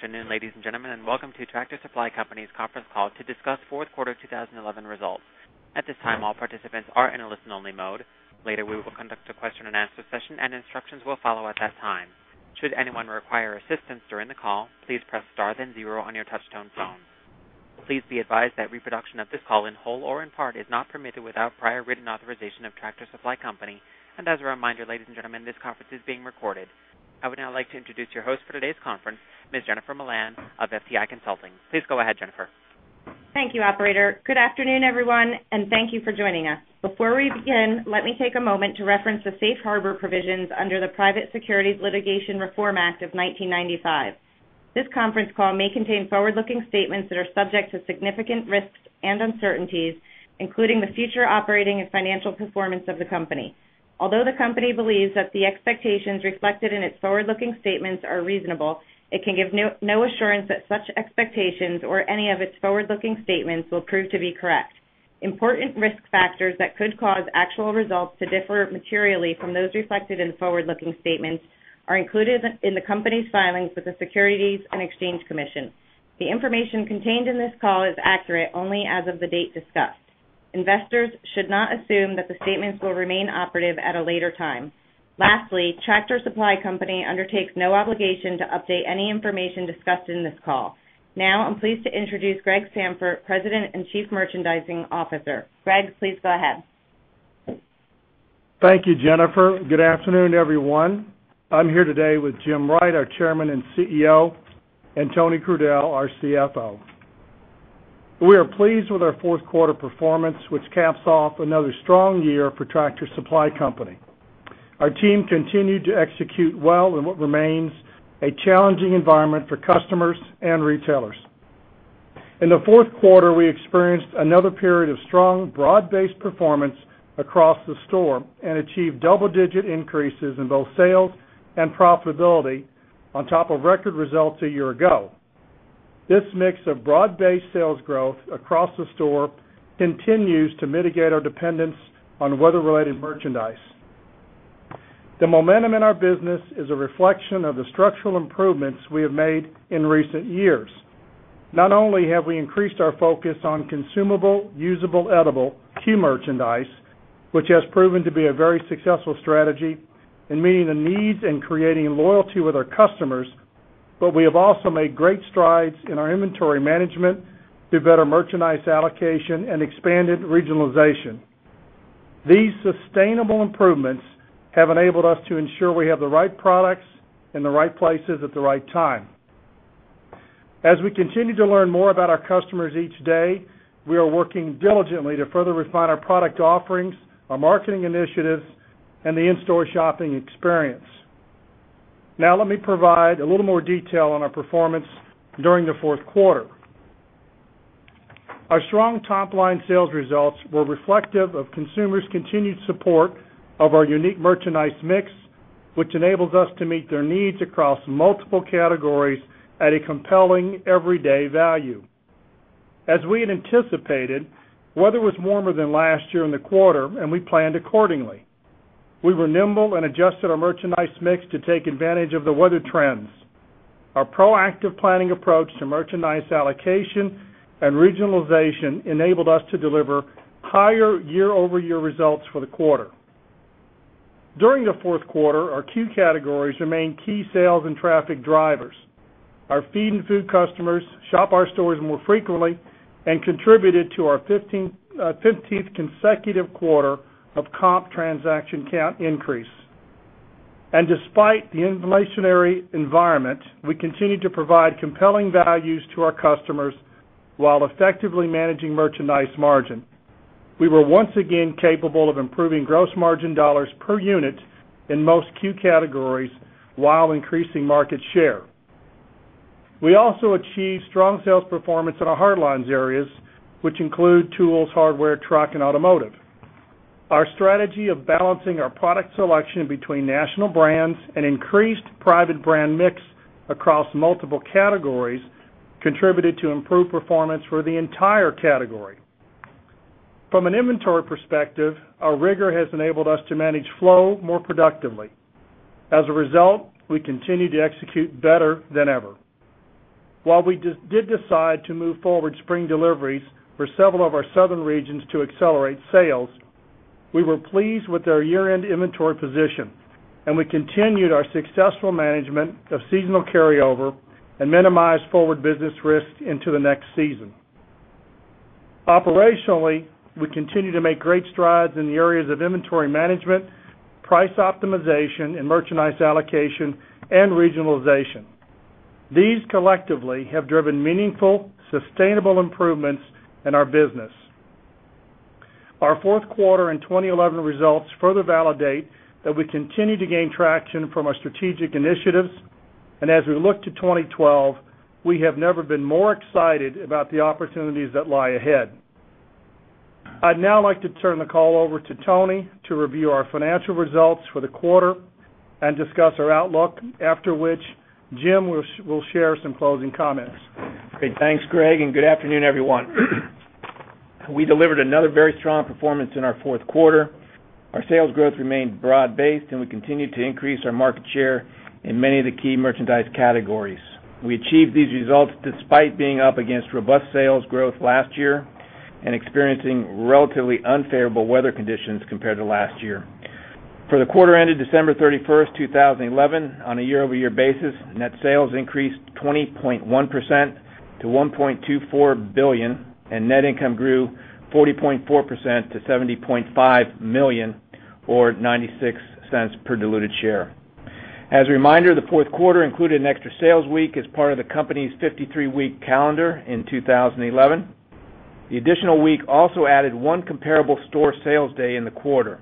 Good afternoon, ladies and gentlemen, and welcome to Tractor Supply Company's conference call to discuss fourth quarter 2011 results. At this time, all participants are in a listen-only mode. Later, we will conduct a question and answer session, and instructions will follow at that time. Should anyone require assistance during the call, please press star, then zero on your touch-tone phone. Please be advised that reproduction of this call in whole or in part is not permitted without prior written authorization of Tractor Supply Company. As a reminder, ladies and gentlemen, this conference is being recorded. I would now like to introduce your host for today's conference, Ms. Jennifer Milan of FTI Consulting. Please go ahead, Jennifer. Thank you, operator. Good afternoon, everyone, and thank you for joining us. Before we begin, let me take a moment to reference the safe harbor provisions under the Private Securities Litigation Reform Act of 1995. This conference call may contain forward-looking statements that are subject to significant risks and uncertainties, including the future operating and financial performance of the company. Although the company believes that the expectations reflected in its forward-looking statements are reasonable, it can give no assurance that such expectations or any of its forward-looking statements will prove to be correct. Important risk factors that could cause actual results to differ materially from those reflected in the forward-looking statements are included in the company's filings with the Securities and Exchange Commission. The information contained in this call is accurate only as of the date discussed. Investors should not assume that the statements will remain operative at a later time. Lastly, Tractor Supply Company undertakes no obligation to update any information discussed in this call. Now, I'm pleased to introduce Gregory Sandfort, President and Chief Merchandising Officer. Gregory, please go ahead. Thank you, Jennifer. Good afternoon, everyone. I'm here today with James Wright, our Chairman and CEO, and Anthony Crudele, our CFO. We are pleased with our fourth quarter performance, which caps off another strong year for Tractor Supply Company. Our team continued to execute well in what remains a challenging environment for customers and retailers. In the fourth quarter, we experienced another period of strong, broad-based performance across the store and achieved double-digit increases in both sales and profitability, on top of record results a year ago. This mix of broad-based sales growth across the store continues to mitigate our dependence on weather-related merchandise. The momentum in our business is a reflection of the structural improvements we have made in recent years. Not only have we increased our focus on consumable, usable, edible key merchandise, which has proven to be a very successful strategy in meeting the needs and creating loyalty with our customers, but we have also made great strides in our inventory management through better merchandise allocation and expanded regionalization. These sustainable improvements have enabled us to ensure we have the right products in the right places at the right time. As we continue to learn more about our customers each day, we are working diligently to further refine our product offerings, our marketing initiatives, and the in-store shopping experience. Now, let me provide a little more detail on our performance during the fourth quarter. Our strong top-line sales results were reflective of consumers' continued support of our unique merchandise mix, which enables us to meet their needs across multiple categories at a compelling everyday value. As we had anticipated, weather was warmer than last year in the quarter, and we planned accordingly. We were nimble and adjusted our merchandise mix to take advantage of the weather trends. Our proactive planning approach to merchandise allocation and regionalization enabled us to deliver higher year-over-year results for the quarter. During the fourth quarter, our key categories remained key sales and traffic drivers. Our feed and food customers shop our stores more frequently and contributed to our 15th consecutive quarter of comp transaction count increase. Despite the inflationary environment, we continue to provide compelling values to our customers while effectively managing merchandise margin. We were once again capable of improving gross margin dollars per unit in most key categories while increasing market share. We also achieved strong sales performance in our hardlines areas, which include tools, hardware, truck, and automotive. Our strategy of balancing our product selection between national brands and increased private label brand mix across multiple categories contributed to improved performance for the entire category. From an inventory perspective, our rigor has enabled us to manage flow more productively. As a result, we continue to execute better than ever. While we did decide to move forward spring deliveries for several of our southern regions to accelerate sales, we were pleased with our year-end inventory position, and we continued our successful management of seasonal carryover and minimized forward business risk into the next season. Operationally, we continue to make great strides in the areas of inventory management, price optimization, and merchandise allocation and regionalization. These collectively have driven meaningful, sustainable improvements in our business. Our fourth quarter in 2011 results further validate that we continue to gain traction from our strategic initiatives, and as we look to 2012, we have never been more excited about the opportunities that lie ahead. I'd now like to turn the call over to Tony to review our financial results for the quarter and discuss our outlook, after which Jim will share some closing comments. Okay, thanks, Greg, and good afternoon, everyone. We delivered another very strong performance in our fourth quarter. Our sales growth remained broad-based, and we continued to increase our market share in many of the key merchandise categories. We achieved these results despite being up against robust sales growth last year and experiencing relatively unfavorable weather conditions compared to last year. For the quarter ended December 31, 2011, on a year-over-year basis, net sales increased 20.1%-$1.24 billion, and net income grew 40.4%-$70.5 million or $0.96 per diluted share. As a reminder, the fourth quarter included an extra sales week as part of the company's 53-week calendar in 2011. The additional week also added one comparable store sales day in the quarter.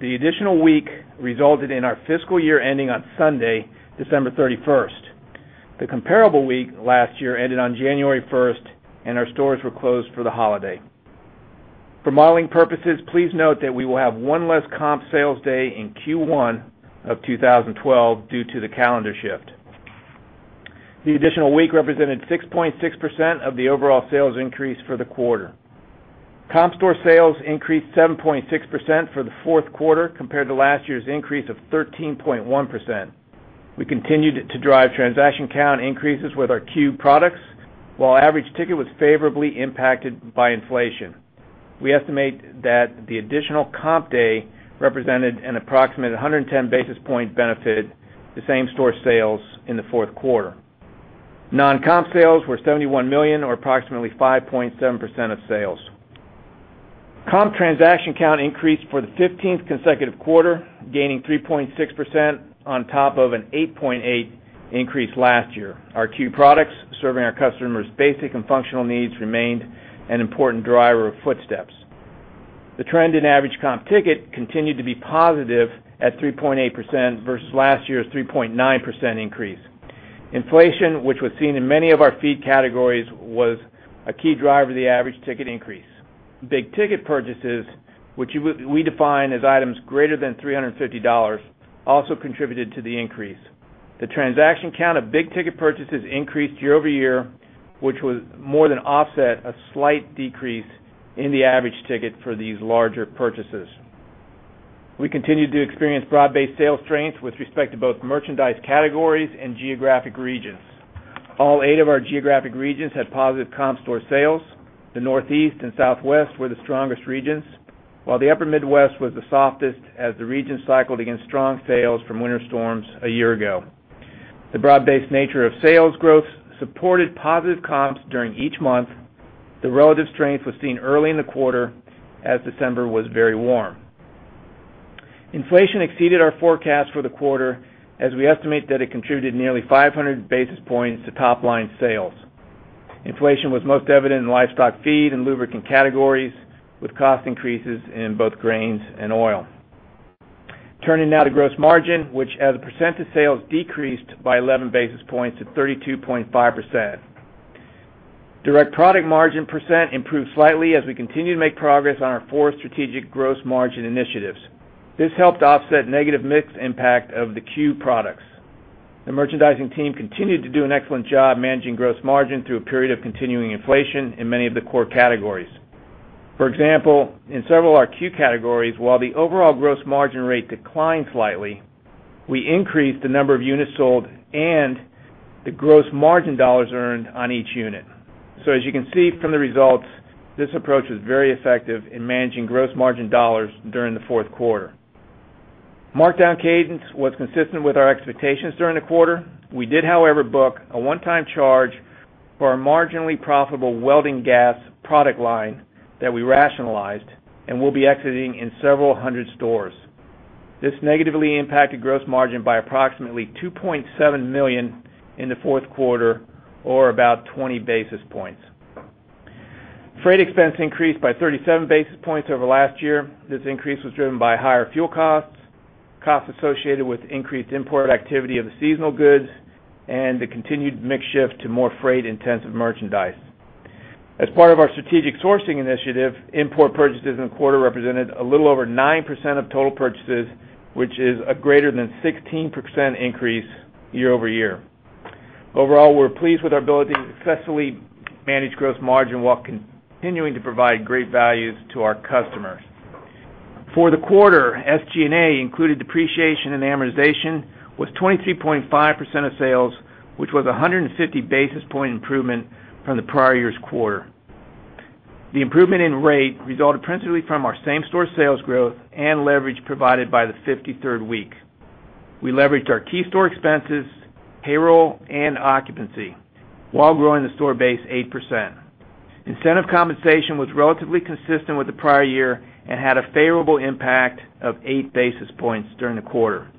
The additional week resulted in our fiscal year ending on Sunday, December 31. The comparable week last year ended on January 1, and our stores were closed for the holiday. For modeling purposes, please note that we will have one less comp sales day in Q1 of 2012 due to the calendar shift. The additional week represented 6.6% of the overall sales increase for the quarter. Comp store sales increased 7.6% for the fourth quarter compared to last year's increase of 13.1%. We continued to drive transaction count increases with our Q products, while average ticket was favorably impacted by inflation. We estimate that the additional comp day represented an approximate 110 basis point benefit to same store sales in the fourth quarter. Non-comp sales were $71 million or approximately 5.7% of sales. Comp transaction count increased for the 15th consecutive quarter, gaining 3.6% on top of an 8.8% increase last year. Our Q products serving our customers' basic and functional needs remained an important driver of footsteps. The trend in average comp ticket continued to be positive at 3.8% versus last year's 3.9% increase. Inflation, which was seen in many of our feed categories, was a key driver of the average ticket increase. Big ticket purchases, which we define as items greater than $350, also contributed to the increase. The transaction count of big ticket purchases increased year over year, which more than offset a slight decrease in the average ticket for these larger purchases. We continued to experience broad-based sales strength with respect to both merchandise categories and geographic regions. All eight of our geographic regions had positive comp store sales. The Northeast and Southwest were the strongest regions, while the Upper Midwest was the softest as the region cycled against strong sales from winter storms a year ago. The broad-based nature of sales growth supported positive comps during each month. The relative strength was seen early in the quarter as December was very warm. Inflation exceeded our forecast for the quarter, as we estimate that it contributed nearly 500 basis points to top-line sales. Inflation was most evident in livestock feed and lubricant categories, with cost increases in both grains and oil. Turning now to gross margin, which as a percent of sales decreased by 11 basis points at 32.5%. Direct product margin percent improved slightly as we continued to make progress on our four strategic gross margin initiatives. This helped offset negative mix impact of the Q products. The merchandising team continued to do an excellent job managing gross margin through a period of continuing inflation in many of the core categories. For example, in several of our Q categories, while the overall gross margin rate declined slightly, we increased the number of units sold and the gross margin dollars earned on each unit. As you can see from the results, this approach was very effective in managing gross margin dollars during the fourth quarter. Markdown cadence was consistent with our expectations during the quarter. We did, however, book a one-time charge for a marginally profitable welding gas product line that we rationalized and will be exiting in several hundred stores. This negatively impacted gross margin by approximately $2.7 million in the fourth quarter, or about 20 basis points. Freight expense increased by 37 basis points over last year. This increase was driven by higher fuel costs, costs associated with increased import activity of the seasonal goods, and the continued mix shift to more freight-intensive merchandise. As part of our strategic sourcing initiative, import purchases in the quarter represented a little over 9% of total purchases, which is a greater than 16% increase year over year. Overall, we're pleased with our ability to successfully manage gross margin while continuing to provide great values to our customers. For the quarter, SG&A, including depreciation and amortization, was 23.5% of sales, which was a 150 basis point improvement from the prior year's quarter. The improvement in rate resulted principally from our same store sales growth and leverage provided by the 53rd week. We leveraged our key store expenses, payroll, and occupancy while growing the store base 8%. Incentive compensation was relatively consistent with the prior year and had a favorable impact of 8 basis points during the quarter.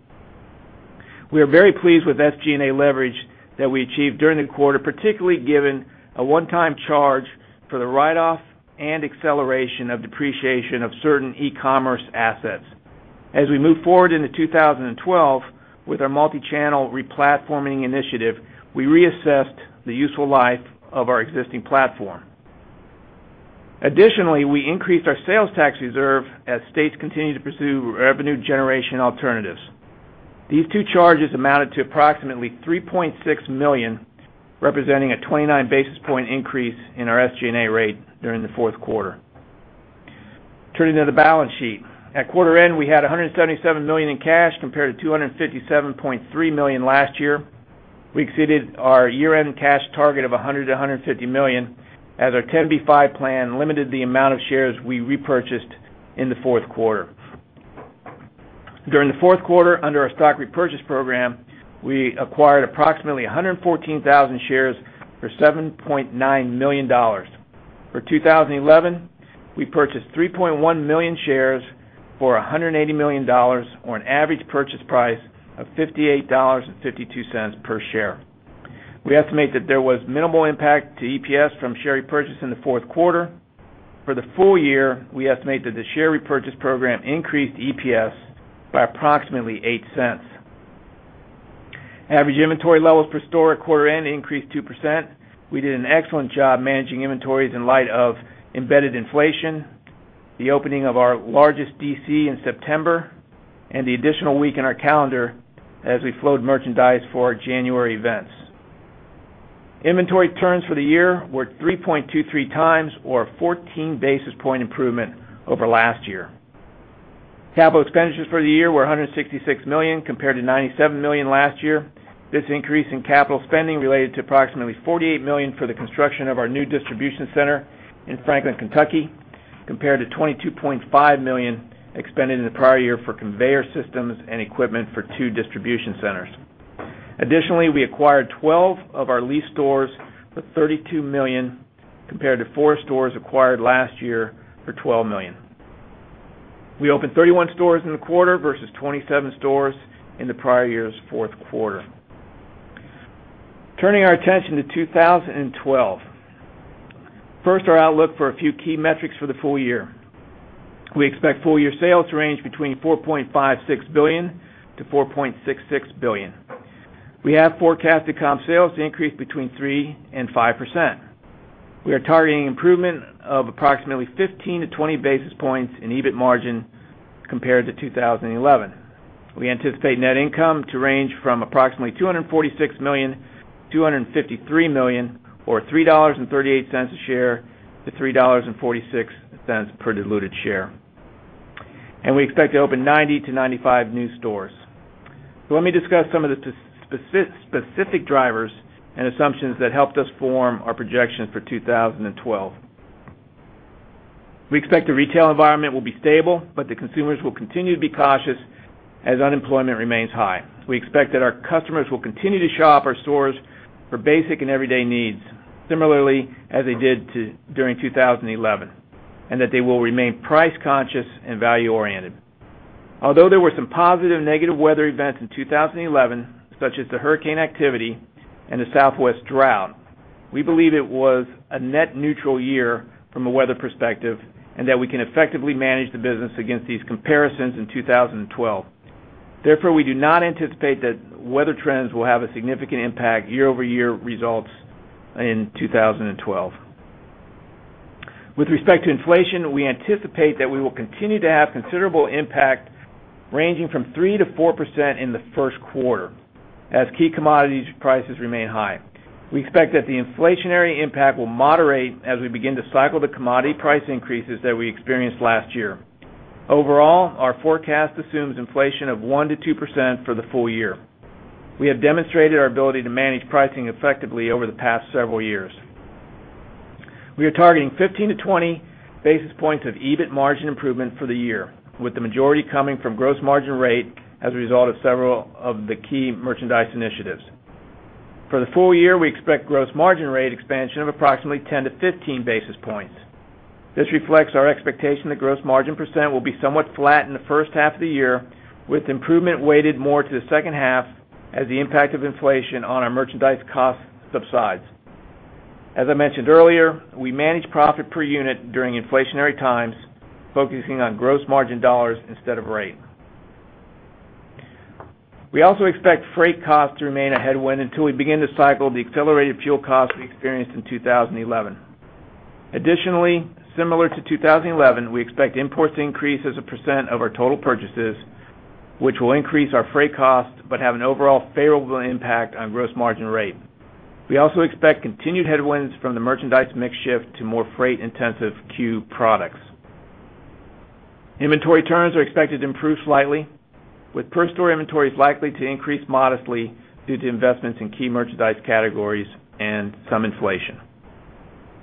We are very pleased with SG&A leverage that we achieved during the quarter, particularly given a one-time charge for the write-off and acceleration of depreciation of certain e-commerce assets. As we move forward into 2012 with our multi-channel replatforming initiative, we reassessed the useful life of our existing platform. Additionally, we increased our sales tax reserve as states continue to pursue revenue generation alternatives. These two charges amounted to approximately $3.6 million, representing a 29 basis point increase in our SG&A rate during the fourth quarter. Turning to the balance sheet, at quarter end, we had $177 million in cash compared to $257.3 million last year. We exceeded our year-end cash target of $100-$150 million as our 10B5 plan limited the amount of shares we repurchased in the fourth quarter. During the fourth quarter, under our stock repurchase program, we acquired approximately 114,000 shares for $7.9 million. For 2011, we purchased 3.1 million shares for $180 million, or an average purchase price of $58.52 per share. We estimate that there was minimal impact to EPS from share repurchase in the fourth quarter. For the full year, we estimate that the share repurchase program increased EPS by approximately $0.08. Average inventory levels per store at quarter end increased 2%. We did an excellent job managing inventories in light of embedded inflation, the opening of our largest DC in September, and the additional week in our calendar as we flowed merchandise for our January events. Inventory turns for the year were 3.23 times, or a 14 basis point improvement over last year. Capital expenditures for the year were $166 million compared to $97 million last year. This increase in capital spending related to approximately $48 million for the construction of our new distribution center in Franklin, Kentucky, compared to $22.5 million expended in the prior year for conveyor systems and equipment for two distribution centers. Additionally, we acquired 12 of our lease stores for $32 million compared to 4 stores acquired last year for $12 million. We opened 31 stores in the quarter versus 27 stores in the prior year's fourth quarter. Turning our attention to 2012, first our outlook for a few key metrics for the full year. We expect full-year sales to range between $4.56 billion-$4.66 billion. We have forecasted comp sales to increase between 3% and 5%. We are targeting improvement of approximately 15 to 20 basis points in EBIT margin compared to 2011. We anticipate net income to range from approximately $246 million-$253 million, or $3.38 a share to $3.46 per diluted share. We expect to open 90 to 95 new stores. Let me discuss some of the specific drivers and assumptions that helped us form our projections for 2012. We expect the retail environment will be stable, but the consumers will continue to be cautious as unemployment remains high. We expect that our customers will continue to shop our stores for basic and everyday needs, similarly as they did during 2011, and that they will remain price-conscious and value-oriented. Although there were some positive negative weather events in 2011, such as the hurricane activity and the Southwest drought, we believe it was a net neutral year from a weather perspective and that we can effectively manage the business against these comparisons in 2012. Therefore, we do not anticipate that weather trends will have a significant impact on year-over-year results in 2012. With respect to inflation, we anticipate that we will continue to have considerable impact ranging from 3%-4% in the first quarter as key commodities prices remain high. We expect that the inflationary impact will moderate as we begin to cycle the commodity price increases that we experienced last year. Overall, our forecast assumes inflation of 1%-2% for the full year. We have demonstrated our ability to manage pricing effectively over the past several years. We are targeting 15 to 20 basis points of EBIT margin improvement for the year, with the majority coming from gross margin rate as a result of several of the key merchandise initiatives. For the full year, we expect gross margin rate expansion of approximately 10 to 15 basis points. This reflects our expectation that gross margin percent will be somewhat flat in the first half of the year, with improvement weighted more to the second half as the impact of inflation on our merchandise costs subsides. As I mentioned earlier, we manage profit per unit during inflationary times, focusing on gross margin dollars instead of rate. We also expect freight costs to remain a headwind until we begin to cycle the accelerated fuel costs we experienced in 2011. Additionally, similar to 2011, we expect imports to increase as a % of our total purchases, which will increase our freight costs but have an overall favorable impact on gross margin rate. We also expect continued headwinds from the merchandise mix shift to more freight-intensive Q products. Inventory turns are expected to improve slightly, with per-store inventories likely to increase modestly due to investments in key merchandise categories and some inflation.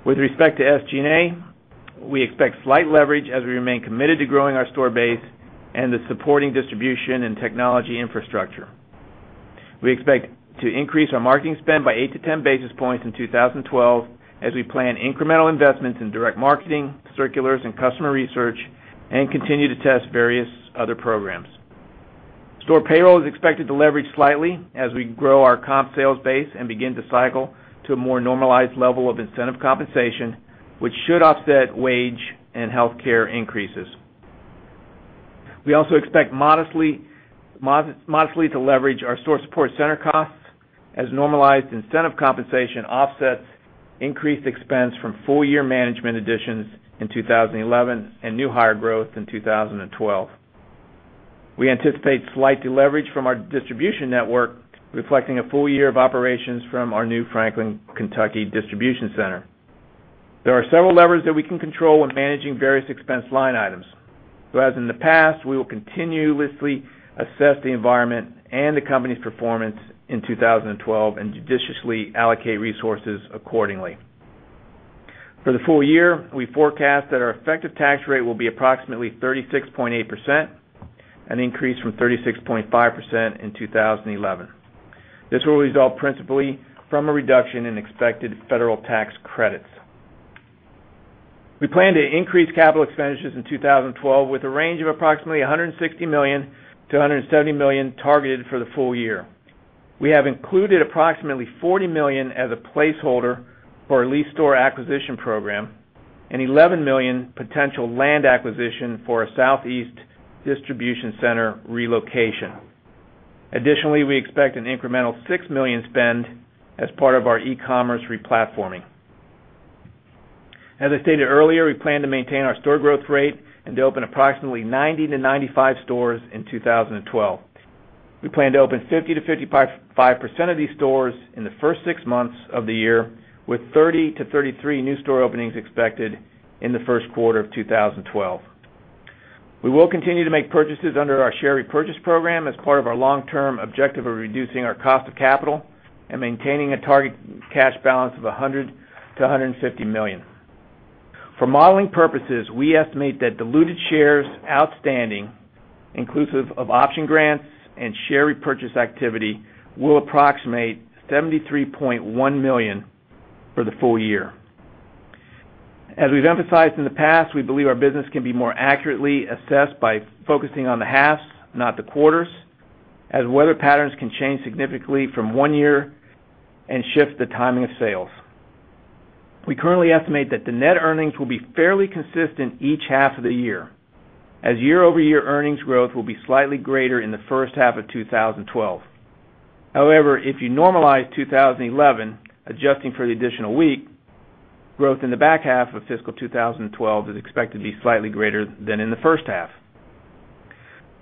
With respect to SG&A, we expect slight leverage as we remain committed to growing our store base and the supporting distribution and technology infrastructure. We expect to increase our marketing spend by 8 to 10 bps in 2012 as we plan incremental investments in direct marketing, circulars, and customer research, and continue to test various other programs. Store payroll is expected to leverage slightly as we grow our comp sales base and begin to cycle to a more normalized level of incentive compensation, which should offset wage and healthcare increases. We also expect modestly to leverage our store support center costs as normalized incentive compensation offsets increased expense from full-year management additions in 2011 and new hire growth in 2012. We anticipate slight deleverage from our distribution network, reflecting a full year of operations from our new Franklin, Kentucky distribution center. There are several levers that we can control when managing various expense line items. As in the past, we will continuously assess the environment and the company's performance in 2012 and judiciously allocate resources accordingly. For the full year, we forecast that our effective tax rate will be approximately 36.8%, an increase from 36.5% in 2011. This will result principally from a reduction in expected federal tax credits. We plan to increase capital expenditures in 2012 with a range of approximately $160 million-$170 million targeted for the full year. We have included approximately $40 million as a placeholder for a lease store acquisition program and $11 million potential land acquisition for a Southeast distribution center relocation. Additionally, we expect an incremental $6 million spend as part of our e-commerce replatforming. As I stated earlier, we plan to maintain our store growth rate and to open approximately 90 to 95 stores in 2012. We plan to open 50 to 55% of these stores in the first six months of the year, with 30 to 33 new store openings expected in the first quarter of 2012. We will continue to make purchases under our share repurchase program as part of our long-term objective of reducing our cost of capital and maintaining a target cash balance of $100-$150 million. For modeling purposes, we estimate that diluted shares outstanding, inclusive of option grants and share repurchase activity, will approximate 73.1 million for the full year. As we've emphasized in the past, we believe our business can be more accurately assessed by focusing on the halves, not the quarters, as weather patterns can change significantly from one year and shift the timing of sales. We currently estimate that the net earnings will be fairly consistent each half of the year, as year-over-year earnings growth will be slightly greater in the first half of 2012. However, if you normalize 2011, adjusting for the additional week, growth in the back half of fiscal 2012 is expected to be slightly greater than in the first half.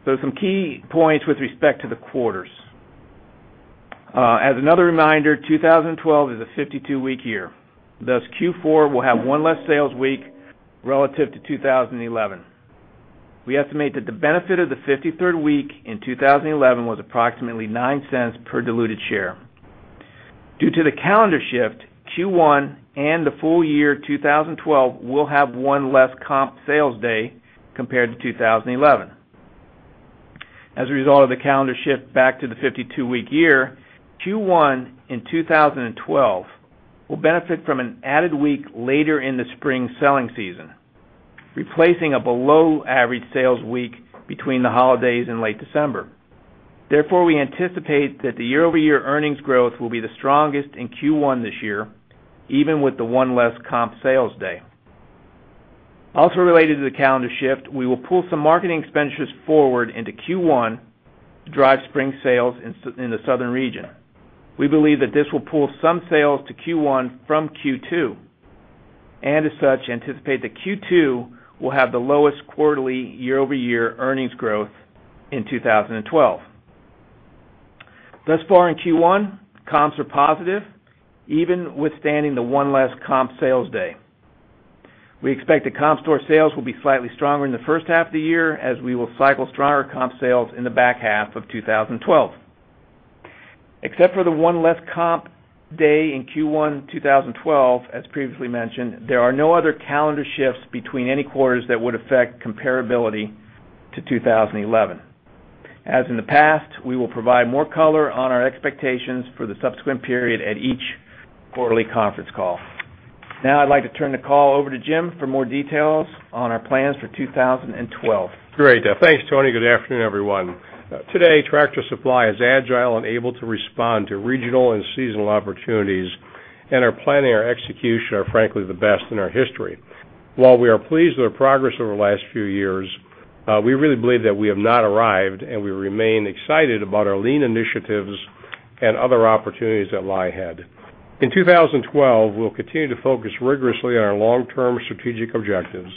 Some key points with respect to the quarters. As another reminder, 2012 is a 52-week year. Thus, Q4 will have one less sales week relative to 2011. We estimate that the benefit of the 53rd week in 2011 was approximately $0.09 per diluted share. Due to the calendar shift, Q1 and the full year 2012 will have one less comp sales day compared to 2011. As a result of the calendar shift back to the 52-week year, Q1 in 2012 will benefit from an added week later in the spring selling season, replacing a below-average sales week between the holidays and late December. Therefore, we anticipate that the year-over-year earnings growth will be the strongest in Q1 this year, even with the one less comp sales day. Also related to the calendar shift, we will pull some marketing expenditures forward into Q1 to drive spring sales in the southern region. We believe that this will pull some sales to Q1 from Q2 and, as such, anticipate that Q2 will have the lowest quarterly year-over-year earnings growth in 2012. Thus far, in Q1, comps are positive, even withstanding the one less comp sales day. We expect the comp store sales will be slightly stronger in the first half of the year, as we will cycle stronger comp sales in the back half of 2012. Except for the one less comp day in Q1 2012, as previously mentioned, there are no other calendar shifts between any quarters that would affect comparability to 2011. As in the past, we will provide more color on our expectations for the subsequent period at each quarterly conference call. Now, I'd like to turn the call over to Jim for more details on our plans for 2012. Great. Thanks, Tony. Good afternoon, everyone. Today, Tractor Supply Company is agile and able to respond to regional and seasonal opportunities, and our planning and our execution are, frankly, the best in our history. While we are pleased with our progress over the last few years, we really believe that we have not arrived, and we remain excited about our lean initiatives and other opportunities that lie ahead. In 2012, we'll continue to focus rigorously on our long-term strategic objectives.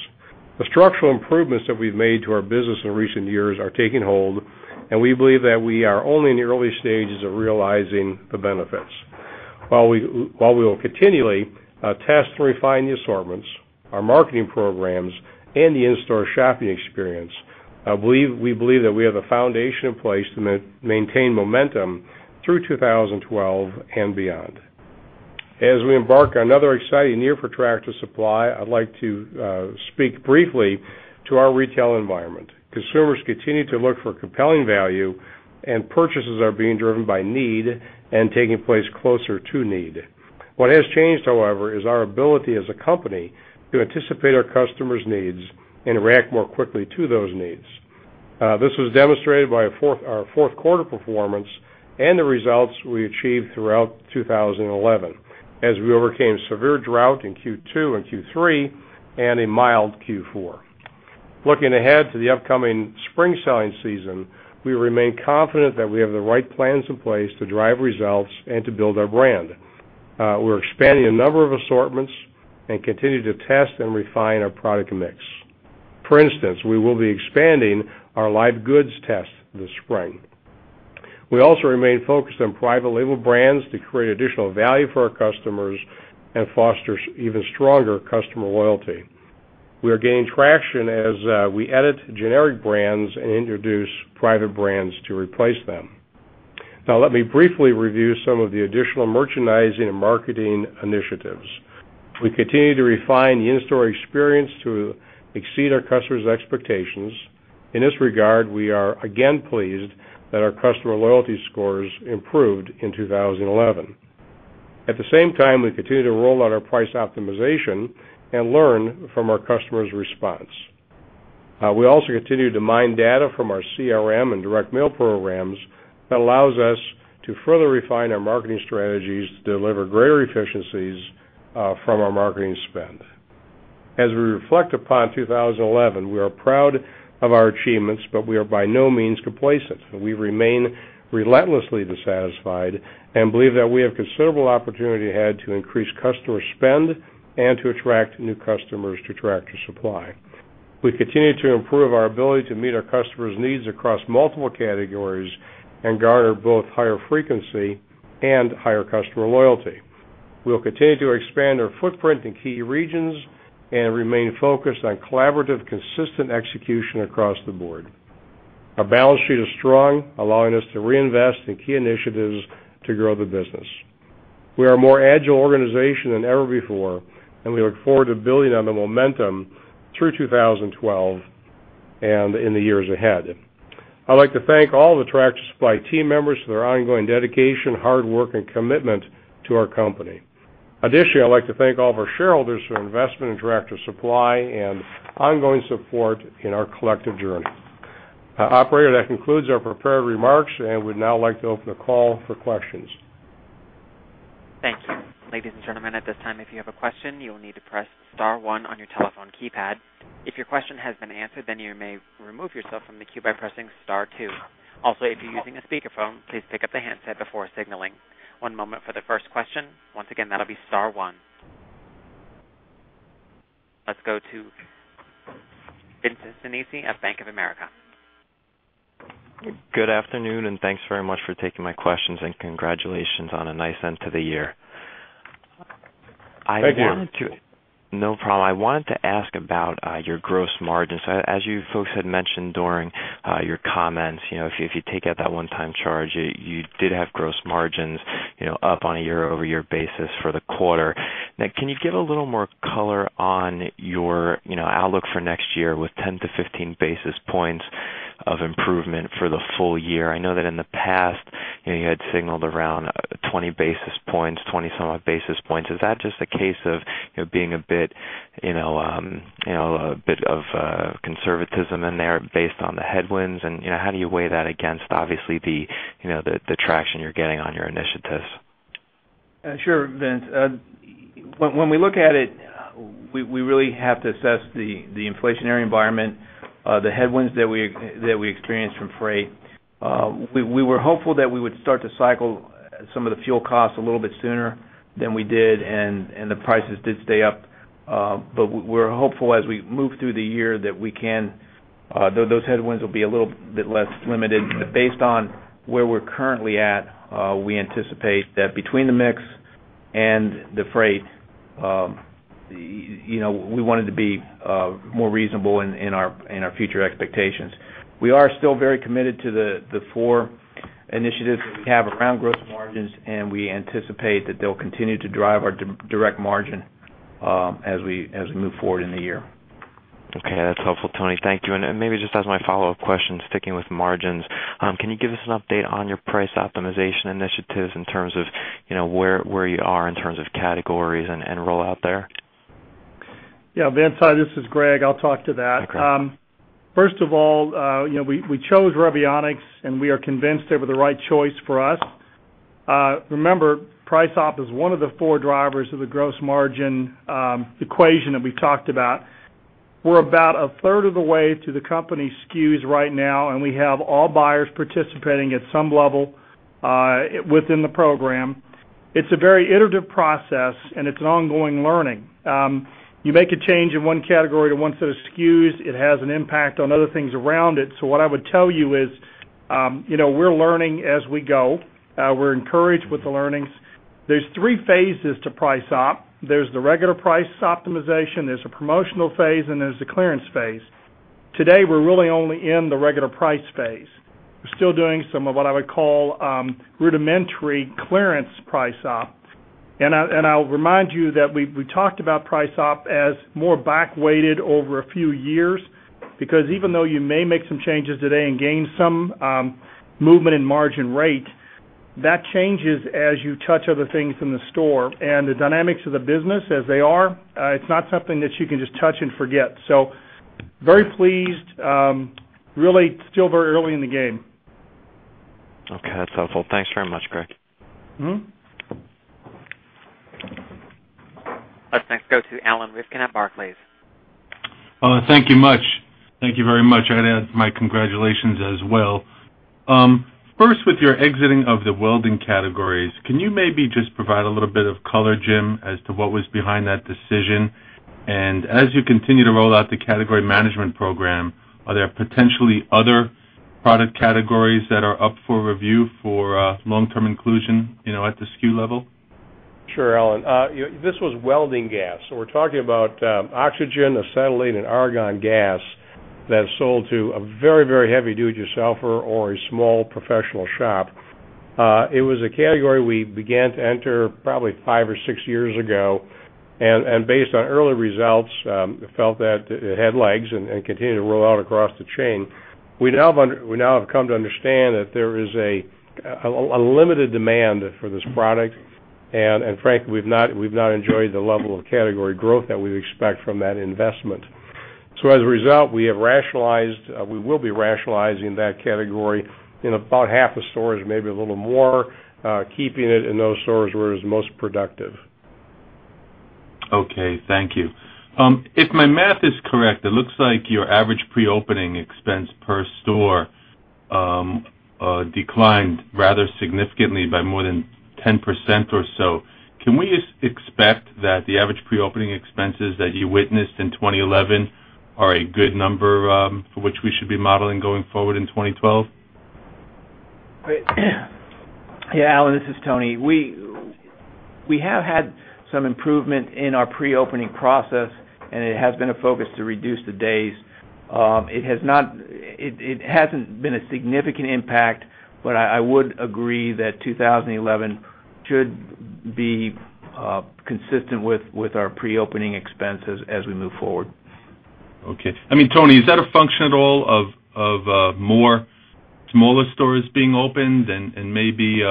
The structural improvements that we've made to our business in recent years are taking hold, and we believe that we are only in the early stages of realizing the benefits. While we will continually test and refine the assortments, our marketing programs, and the in-store shopping experience, we believe that we have the foundation in place to maintain momentum through 2012 and beyond. As we embark on another exciting year for Tractor Supply Company, I'd like to speak briefly to our retail environment. Consumers continue to look for compelling value, and purchases are being driven by need and taking place closer to need. What has changed, however, is our ability as a company to anticipate our customers' needs and react more quickly to those needs. This was demonstrated by our fourth quarter performance and the results we achieved throughout 2011, as we overcame severe drought in Q2 and Q3 and a mild Q4. Looking ahead to the upcoming spring selling season, we remain confident that we have the right plans in place to drive results and to build our brand. We're expanding a number of assortments and continue to test and refine our product mix. For instance, we will be expanding our live goods test this spring. We also remain focused on private label brands to create additional value for our customers and foster even stronger customer loyalty. We are gaining traction as we edit generic brands and introduce private brands to replace them. Now, let me briefly review some of the additional merchandising and marketing initiatives. We continue to refine the in-store experience to exceed our customers' expectations. In this regard, we are again pleased that our customer loyalty scores improved in 2011. At the same time, we continue to roll out our price optimization and learn from our customers' response. We also continue to mine data from our CRM and direct mail programs that allow us to further refine our marketing strategies to deliver greater efficiencies from our marketing spend. As we reflect upon 2011, we are proud of our achievements, but we are by no means complacent. We remain relentlessly dissatisfied and believe that we have considerable opportunity ahead to increase customer spend and to attract new customers to Tractor Supply Company. We continue to improve our ability to meet our customers' needs across multiple categories and garner both higher frequency and higher customer loyalty. We'll continue to expand our footprint in key regions and remain focused on collaborative, consistent execution across the board. Our balance sheet is strong, allowing us to reinvest in key initiatives to grow the business. We are a more agile organization than ever before, and we look forward to building on the momentum through 2012 and in the years ahead. I'd like to thank all of the Tractor Supply Company team members for their ongoing dedication, hard work, and commitment to our company. Additionally, I'd like to thank all of our shareholders for investment in Tractor Supply Company and ongoing support in our collective journey. Operator, that concludes our prepared remarks, and we'd now like to open the call for questions. Thank you. Ladies and gentlemen, at this time, if you have a question, you will need to press star one on your telephone keypad. If your question has been answered, you may remove yourself from the queue by pressing star two. Also, if you're using a speakerphone, please pick up the handset before signaling. One moment for the first question. Once again, that'll be star one. Let's go to Vincent Sinisi of Bank of America. Good afternoon, and thanks very much for taking my questions and congratulations on a nice end to the year. I wanted to. No problem. I wanted to ask about your gross margins. As you folks had mentioned during your comments, if you take out that one-time charge, you did have gross margins up on a year-over-year basis for the quarter. Now, can you give a little more color on your outlook for next year with 10 to 15 basis points of improvement for the full year? I know that in the past, you had signaled around 20 basis points, 20-some odd basis points. Is that just a case of being a bit of conservatism in there based on the headwinds? How do you weigh that against, obviously, the traction you're getting on your initiatives? Sure, Vince. When we look at it, we really have to assess the inflationary environment, the headwinds that we experienced from freight. We were hopeful that we would start to cycle some of the fuel costs a little bit sooner than we did, and the prices did stay up. We're hopeful as we move through the year that those headwinds will be a little bit less limited. Based on where we're currently at, we anticipate that between the mix and the freight, we wanted to be more reasonable in our future expectations. We are still very committed to the four initiatives we have around gross margins, and we anticipate that they'll continue to drive our direct margin as we move forward in the year. Okay, that's helpful, Tony. Thank you. Maybe just as my follow-up question, sticking with margins, can you give us an update on your price optimization initiatives in terms of where you are in terms of categories and rollout there? Yeah, Vince, this is Greg. I'll talk to that. Okay. First of all, you know, we chose Rubionics, and we are convinced they were the right choice for us. Remember, price op is one of the four drivers of the gross margin equation that we've talked about. We're about a third of the way through the company's SKUs right now, and we have all buyers participating at some level within the program. It's a very iterative process, and it's an ongoing learning. You make a change in one category to one set of SKUs, it has an impact on other things around it. What I would tell you is, you know, we're learning as we go. We're encouraged with the learnings. There's three phases to price op. There's the regular price optimization, there's a promotional phase, and there's a clearance phase. Today, we're really only in the regular price phase. We're still doing some of what I would call rudimentary clearance price op. I'll remind you that we talked about price op as more back-weighted over a few years because even though you may make some changes today and gain some movement in margin rate, that changes as you touch other things in the store. The dynamics of the business, as they are, it's not something that you can just touch and forget. Very pleased, really still very early in the game. Okay, that's helpful. Thanks very much, Greg. Let's go to Alan Rifkin at Barclays. Thank you very much. I'd add my congratulations as well. First, with your exiting of the welding gas product line, can you maybe just provide a little bit of color, Jim, as to what was behind that decision? As you continue to roll out the category management program, are there potentially other product categories that are up for review for long-term inclusion at the SKU level? Sure, Alan. This was welding gas. We're talking about oxygen, acetylene, and argon gas that's sold to a very, very heavy duty seller or a small professional shop. It was a category we began to enter probably five or six years ago, and based on early results, it felt that it had legs and continued to roll out across the chain. We now have come to understand that there is a limited demand for this product, and frankly, we've not enjoyed the level of category growth that we expect from that investment. As a result, we have rationalized, we will be rationalizing that category in about half the stores, maybe a little more, keeping it in those stores where it's most productive. Okay, thank you. If my math is correct, it looks like your average pre-opening expense per store declined rather significantly by more than 10% or so. Can we expect that the average pre-opening expenses that you witnessed in 2011 are a good number for which we should be modeling going forward in 2012? Yeah, Alan, this is Tony. We have had some improvement in our pre-opening process, and it has been a focus to reduce the days. It hasn't been a significant impact, but I would agree that 2011 should be consistent with our pre-opening expenses as we move forward. Okay. Tony, is that a function at all of more smaller stores being opened? Maybe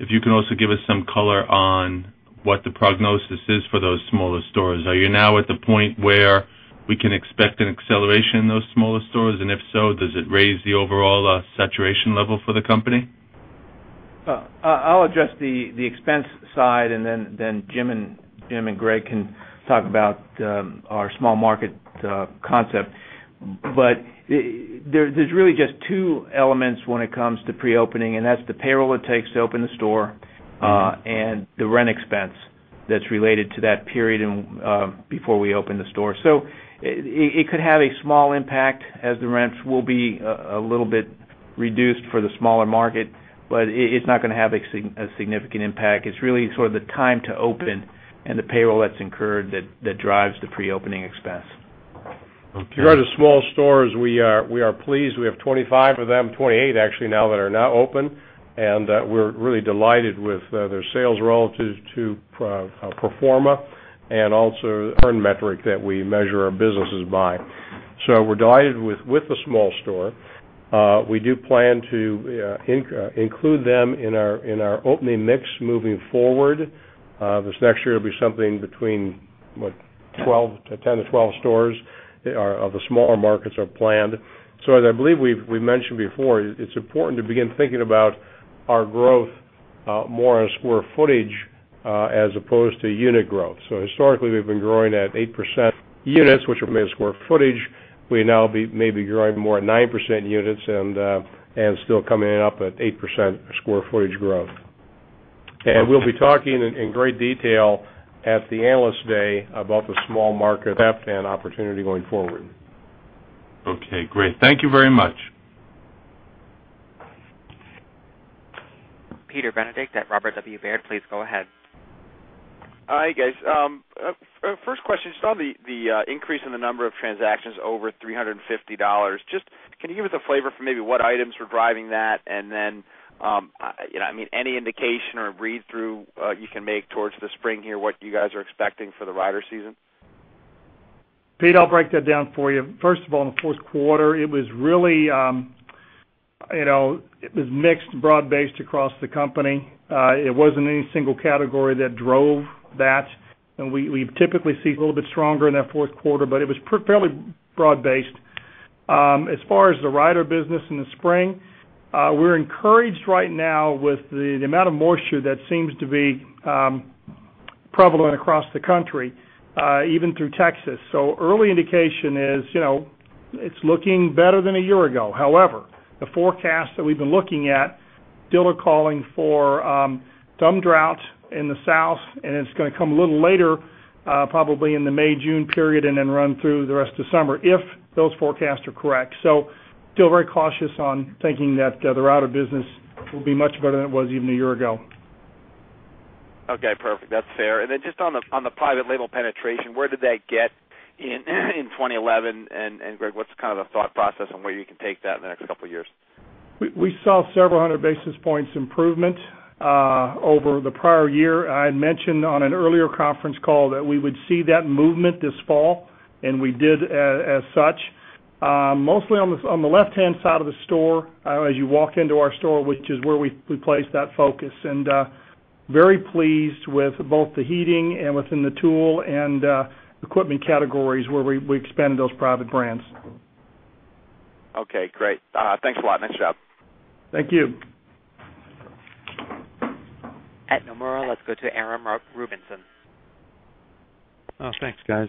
if you can also give us some color on what the prognosis is for those smaller stores. Are you now at the point where we can expect an acceleration in those smaller stores? If so, does it raise the overall saturation level for the company? I'll address the expense side, and then Jim and Greg can talk about our small market concept. There are really just two elements when it comes to pre-opening, and that's the payroll it takes to open the store and the rent expense that's related to that period before we open the store. It could have a small impact as the rents will be a little bit reduced for the smaller market, but it's not going to have a significant impact. It's really sort of the time to open and the payroll that's incurred that drives the pre-opening expense. Okay. In regard to small stores, we are pleased. We have 25 of them, 28 actually now that are now open, and we're really delighted with their sales relative to pro forma and also HERN metric that we measure our businesses by. We're delighted with the small store. We do plan to include them in our opening mix moving forward. This next year, it'll be something between, what, 10 to 12 stores of the smaller markets are planned. As I believe we've mentioned before, it's important to begin thinking about our growth more as square footage as opposed to unit growth. Historically, we've been growing at 8% units, which are made of square footage. We now may be growing more at 9% units and still coming up at 8% square footage growth. We'll be talking in great detail at the analyst day about the small market. That's an opportunity going forward. Okay, great. Thank you very much. Peter Benedict at Robert W. Baird, please go ahead. Hi, guys. First question, just on the increase in the number of transactions over $350. Can you give us a flavor for maybe what items were driving that? Any indication or read-through you can make towards the spring here, what you guys are expecting for the rider season? Pete, I'll break that down for you. First of all, in the fourth quarter, it was really mixed and broad-based across the company. It wasn't any single category that drove that. We typically see a little bit stronger in that fourth quarter, but it was fairly broad-based. As far as the rider business in the spring, we're encouraged right now with the amount of moisture that seems to be prevalent across the country, even through Texas. Early indication is, it's looking better than a year ago. However, the forecasts that we've been looking at still are calling for some drought in the south, and it's going to come a little later, probably in the May-June period and then run through the rest of the summer if those forecasts are correct. Still very cautious on thinking that the rider business will be much better than it was even a year ago. Okay, perfect. That's fair. Just on the private label penetration, where did that get in in 2011? Greg, what's kind of the thought process on where you can take that in the next couple of years? We saw several hundred basis points improvement over the prior year. I had mentioned on an earlier conference call that we would see that movement this fall, and we did as such. Mostly on the left-hand side of the store, as you walk into our store, which is where we place that focus. Very pleased with both the heating and within the tool and equipment categories where we expanded those private label brands. Okay, great. Thanks a lot. Nice job. Thank you. At Nomura, let's go to Aram Rubinson. Oh, thanks, guys.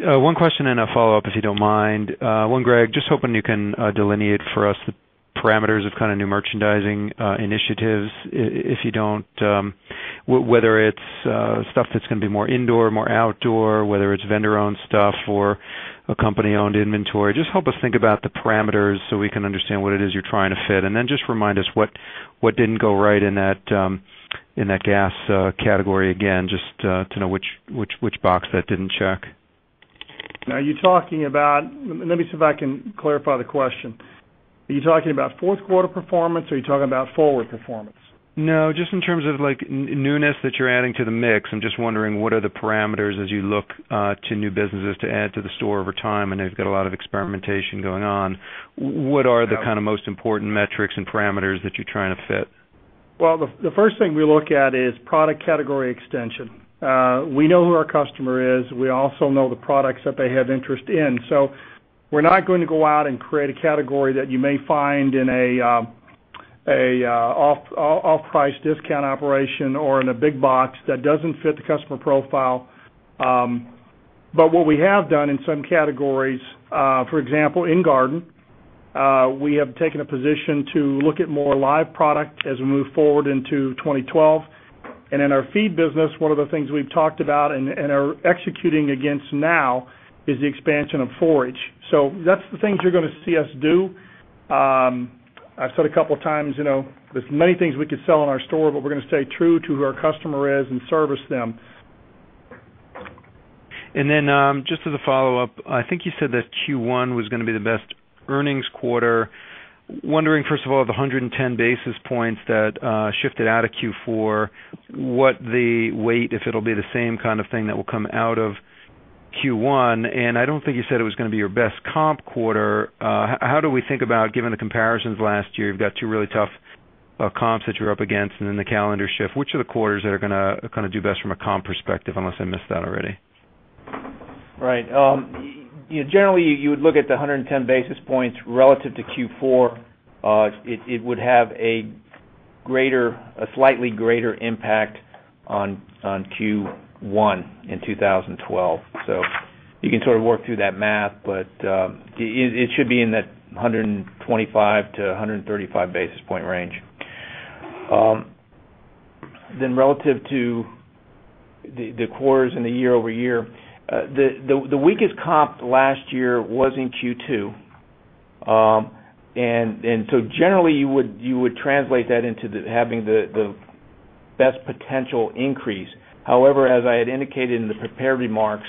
One question and a follow-up, if you don't mind. One, Greg, just hoping you can delineate for us the parameters of kind of new merchandising initiatives. If you don't, whether it's stuff that's going to be more indoor, more outdoor, whether it's vendor-owned stuff or a company-owned inventory, just help us think about the parameters so we can understand what it is you're trying to fit. Just remind us what didn't go right in that gas category again, just to know which box that didn't check. Now, are you talking about, let me see if I can clarify the question. Are you talking about fourth quarter performance or are you talking about forward performance? No, just in terms of newness that you're adding to the mix, I'm just wondering what are the parameters as you look to new businesses to add to the store over time. I know you've got a lot of experimentation going on. What are the most important metrics and parameters that you're trying to fit? The first thing we look at is product category extension. We know who our customer is. We also know the products that they have interest in. We are not going to go out and create a category that you may find in an off-price discount operation or in a big box that does not fit the customer profile. What we have done in some categories, for example, in garden, we have taken a position to look at more live product as we move forward into 2012. In our feed business, one of the things we have talked about and are executing against now is the expansion of forage. That is the things you are going to see us do. I have said a couple of times, you know, there are many things we could sell in our store, but we are going to stay true to who our customer is and service them. Just as a follow-up, I think you said that Q1 was going to be the best earnings quarter. Wondering, first of all, the 110 basis points that shifted out of Q4, what the weight, if it'll be the same kind of thing that will come out of Q1. I don't think you said it was going to be your best comp quarter. How do we think about, given the comparisons last year, you've got two really tough comps that you're up against and then the calendar shift, which are the quarters that are going to kind of do best from a comp perspective, unless I missed that already? Right. Generally, you would look at the 110 basis points relative to Q4. It would have a slightly greater impact on Q1 in 2012. You can sort of work through that math, but it should be in that 125 to 135 basis point range. Relative to the quarters in the year-over-year, the weakest comp last year was in Q2, and generally, you would translate that into having the best potential increase. However, as I had indicated in the prepared remarks,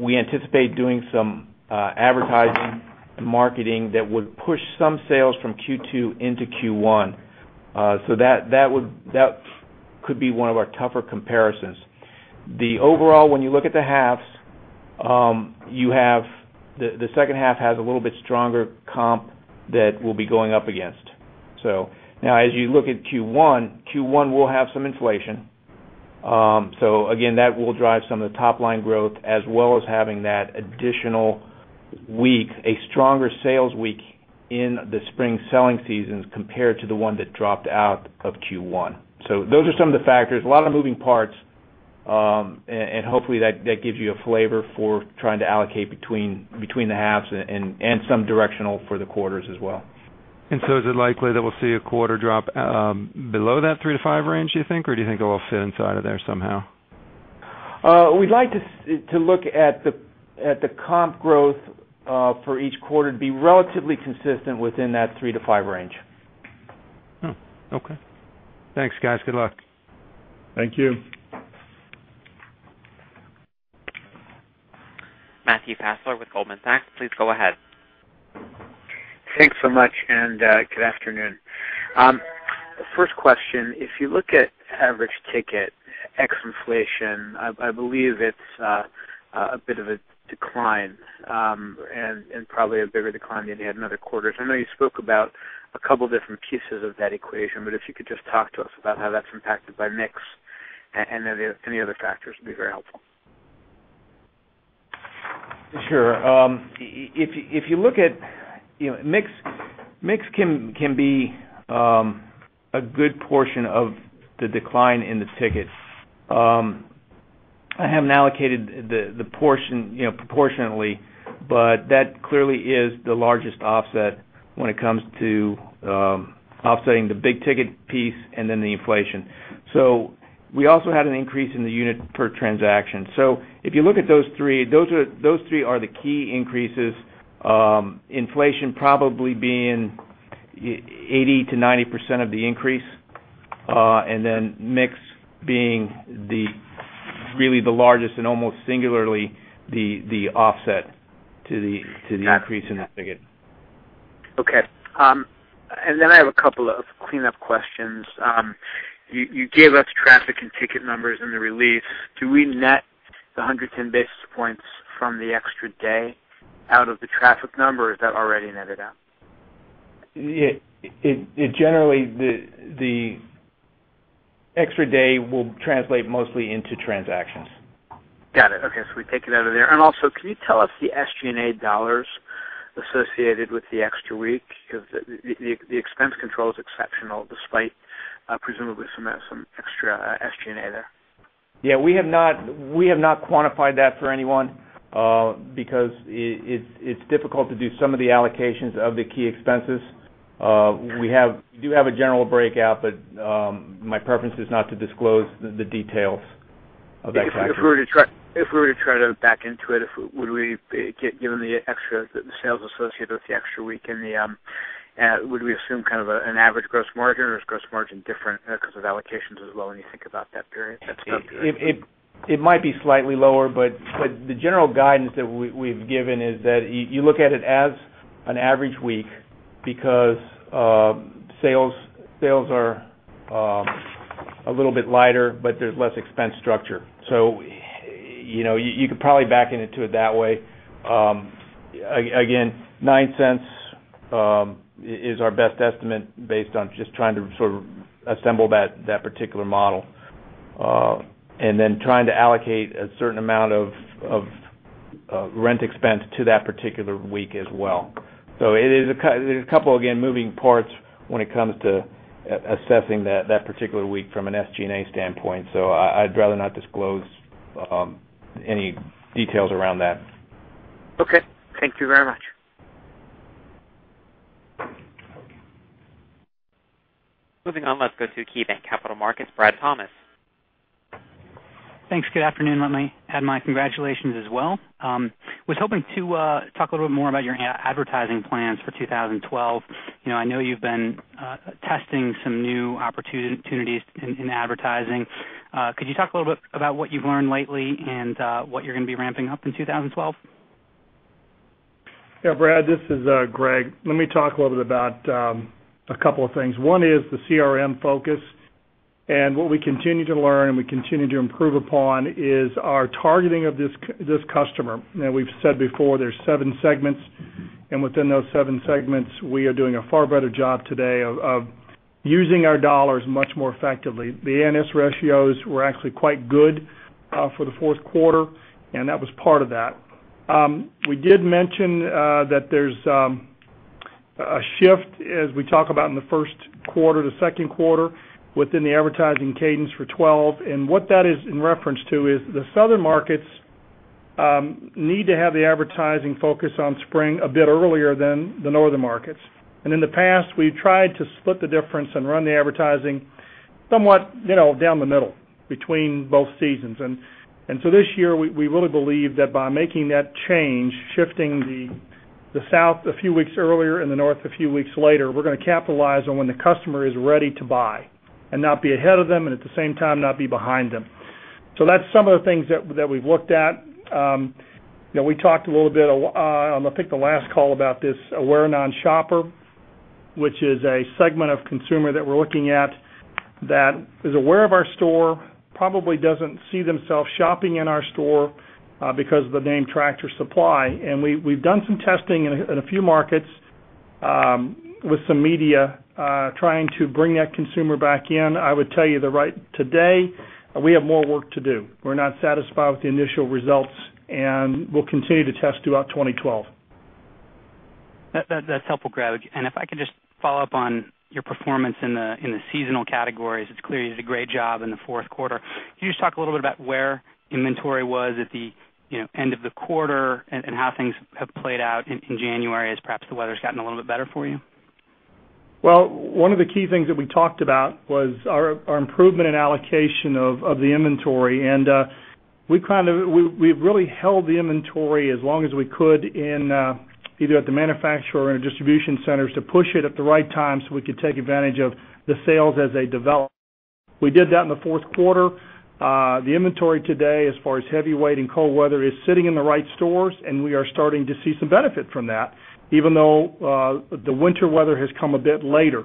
we anticipate doing some advertising and marketing that would push some sales from Q2 into Q1. That could be one of our tougher comparisons. Overall, when you look at the halves, you have the second half has a little bit stronger comp that we'll be going up against. As you look at Q1, Q1 will have some inflation. Again, that will drive some of the top-line growth as well as having that additional week, a stronger sales week in the spring selling seasons compared to the one that dropped out of Q1. Those are some of the factors, a lot of moving parts. Hopefully, that gives you a flavor for trying to allocate between the halves and some directional for the quarters as well. Is it likely that we'll see a quarter drop below that 3%-5% range, do you think, or do you think it'll fit inside of there somehow? We'd like to look at the comp growth for each quarter to be relatively consistent within that 3%-5% range. Okay, thanks, guys. Good luck. Thank you. Matthew Fassler with Goldman Sachs, please go ahead. Thanks so much, and good afternoon. First question, if you look at average ticket, ex-inflation, I believe it's a bit of a decline and probably a bigger decline than you had in other quarters. I know you spoke about a couple of different pieces of that equation, but if you could just talk to us about how that's impacted by mix and any other factors, it would be very helpful. Sure. If you look at, you know, mix can be a good portion of the decline in the ticket. I haven't allocated the portion, you know, proportionately, but that clearly is the largest offset when it comes to offsetting the big ticket piece and the inflation. We also had an increase in the unit per transaction. If you look at those three, those three are the key increases, inflation probably being 80%-90% of the increase, and then mix being really the largest and almost singularly the offset to the increase in the ticket. Okay. I have a couple of clean-up questions. You gave us traffic and ticket numbers in the release. Do we net the 110 basis points from the extra day out of the traffic number, or is that already netted out? Yeah, generally, the extra day will translate mostly into transactions. Got it. Okay, we take it out of there. Also, can you tell us the SG&A dollars associated with the extra week? The expense control is exceptional despite presumably some extra SG&A there. Yeah, we have not quantified that for anyone because it's difficult to do some of the allocations of the key expenses. We do have a general breakout, but my preference is not to disclose the details of that. Okay. If we were to try to back into it, would we be given the extra sales associated with the extra week, would we assume kind of an average gross margin, or is gross margin different because of allocations as well when you think about that period? It might be slightly lower, but the general guidance that we've given is that you look at it as an average week because sales are a little bit lighter, but there's less expense structure. You could probably back into it that way. Again, $0.09 is our best estimate based on just trying to sort of assemble that particular model and then trying to allocate a certain amount of rent expense to that particular week as well. There are a couple of moving parts when it comes to assessing that particular week from an SG&A standpoint. I'd rather not disclose any details around that. Okay, thank you very much. Moving on, let's go to KeyBanc Capital Markets, Brad Thomas. Thanks. Good afternoon. Let me add my congratulations as well. I was hoping to talk a little bit more about your advertising plans for 2012. I know you've been testing some new opportunities in advertising. Could you talk a little bit about what you've learned lately and what you're going to be ramping up in 2012? Yeah, Brad, this is Greg. Let me talk a little bit about a couple of things. One is the CRM focus. What we continue to learn and we continue to improve upon is our targeting of this customer. Now, we've said before, there's seven segments, and within those seven segments, we are doing a far better job today of using our dollars much more effectively. The ANS ratios were actually quite good for the fourth quarter, and that was part of that. We did mention that there's a shift, as we talk about in the first quarter to second quarter, within the advertising cadence for 2012. What that is in reference to is the southern markets need to have the advertising focus on spring a bit earlier than the northern markets. In the past, we've tried to split the difference and run the advertising somewhat, you know, down the middle between both seasons. This year, we really believe that by making that change, shifting the south a few weeks earlier and the north a few weeks later, we're going to capitalize on when the customer is ready to buy and not be ahead of them and at the same time not be behind them. That's some of the things that we've looked at. We talked a little bit on, I think, the last call about this aware non-shopper, which is a segment of consumer that we're looking at that is aware of our store, probably doesn't see themselves shopping in our store because of the name Tractor Supply. We've done some testing in a few markets with some media trying to bring that consumer back in. I would tell you that right today, we have more work to do. We're not satisfied with the initial results, and we'll continue to test throughout 2012. That's helpful, Greg. If I could just follow up on your performance in the seasonal categories, it's clear you did a great job in the fourth quarter. Could you just talk a little bit about where inventory was at the end of the quarter and how things have played out in January as perhaps the weather's gotten a little bit better for you? One of the key things that we talked about was our improvement in allocation of the inventory. We've really held the inventory as long as we could either at the manufacturer or in the distribution centers to push it at the right time so we could take advantage of the sales as they develop. We did that in the fourth quarter. The inventory today, as far as heavyweight and cold weather, is sitting in the right stores, and we are starting to see some benefit from that, even though the winter weather has come a bit later.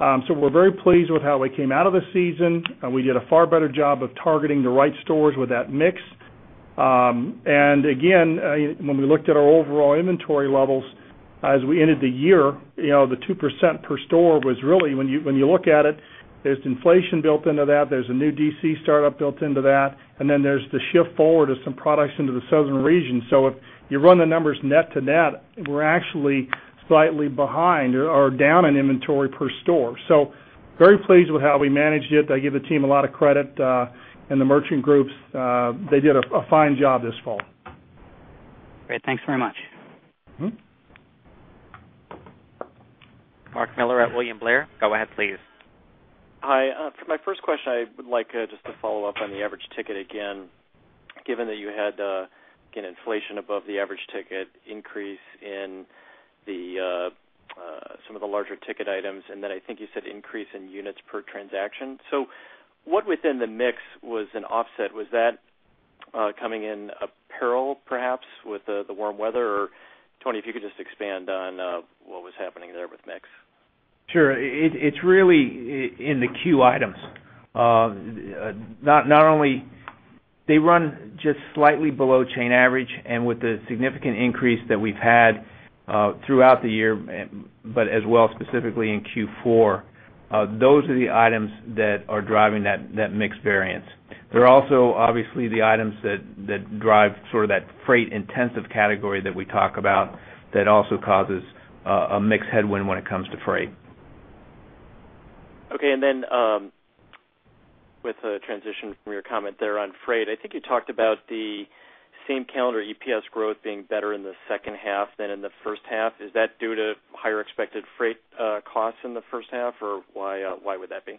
We are very pleased with how we came out of the season. We did a far better job of targeting the right stores with that mix. When we looked at our overall inventory levels as we ended the year, the 2% per store was really, when you look at it, there's inflation built into that, there's a new DC startup built into that, and then there's the shift forward of some products into the southern region. If you run the numbers net to net, we're actually slightly behind or down in inventory per store. We are very pleased with how we managed it. I give the team a lot of credit, and the merchant groups, they did a fine job this fall. Great, thanks very much. Mark Miller at William Blair. Go ahead, please. Hi. For my first question, I would like just to follow up on the average ticket again, given that you had, again, inflation above the average ticket, increase in some of the larger ticket items, and then I think you said increase in units per transaction. What within the mix was an offset? Was that coming in apparel, perhaps, with the warm weather, or Tony, if you could just expand on what was happening there with mix? Sure. It's really in the Q items. Not only do they run just slightly below chain average with the significant increase that we've had throughout the year, but as well specifically in Q4. Those are the items that are driving that mixed variance. There are also obviously the items that drive sort of that freight intensive category that we talk about, which also causes a mixed headwind when it comes to freight. Okay. With a transition from your comment there on freight, I think you talked about the same calendar EPS growth being better in the second half than in the first half. Is that due to higher expected freight costs in the first half, or why would that be?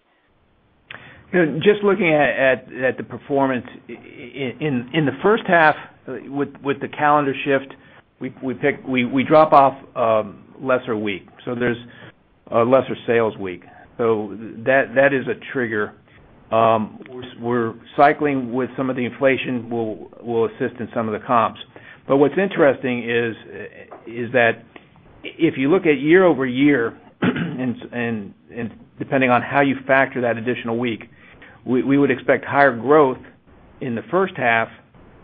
Just looking at the performance in the first half with the calendar shift, we drop off a lesser week. There's a lesser sales week. That is a trigger. We're cycling with some of the inflation will assist in some of the comps. What's interesting is that if you look at year over year, and depending on how you factor that additional week, we would expect higher growth in the first half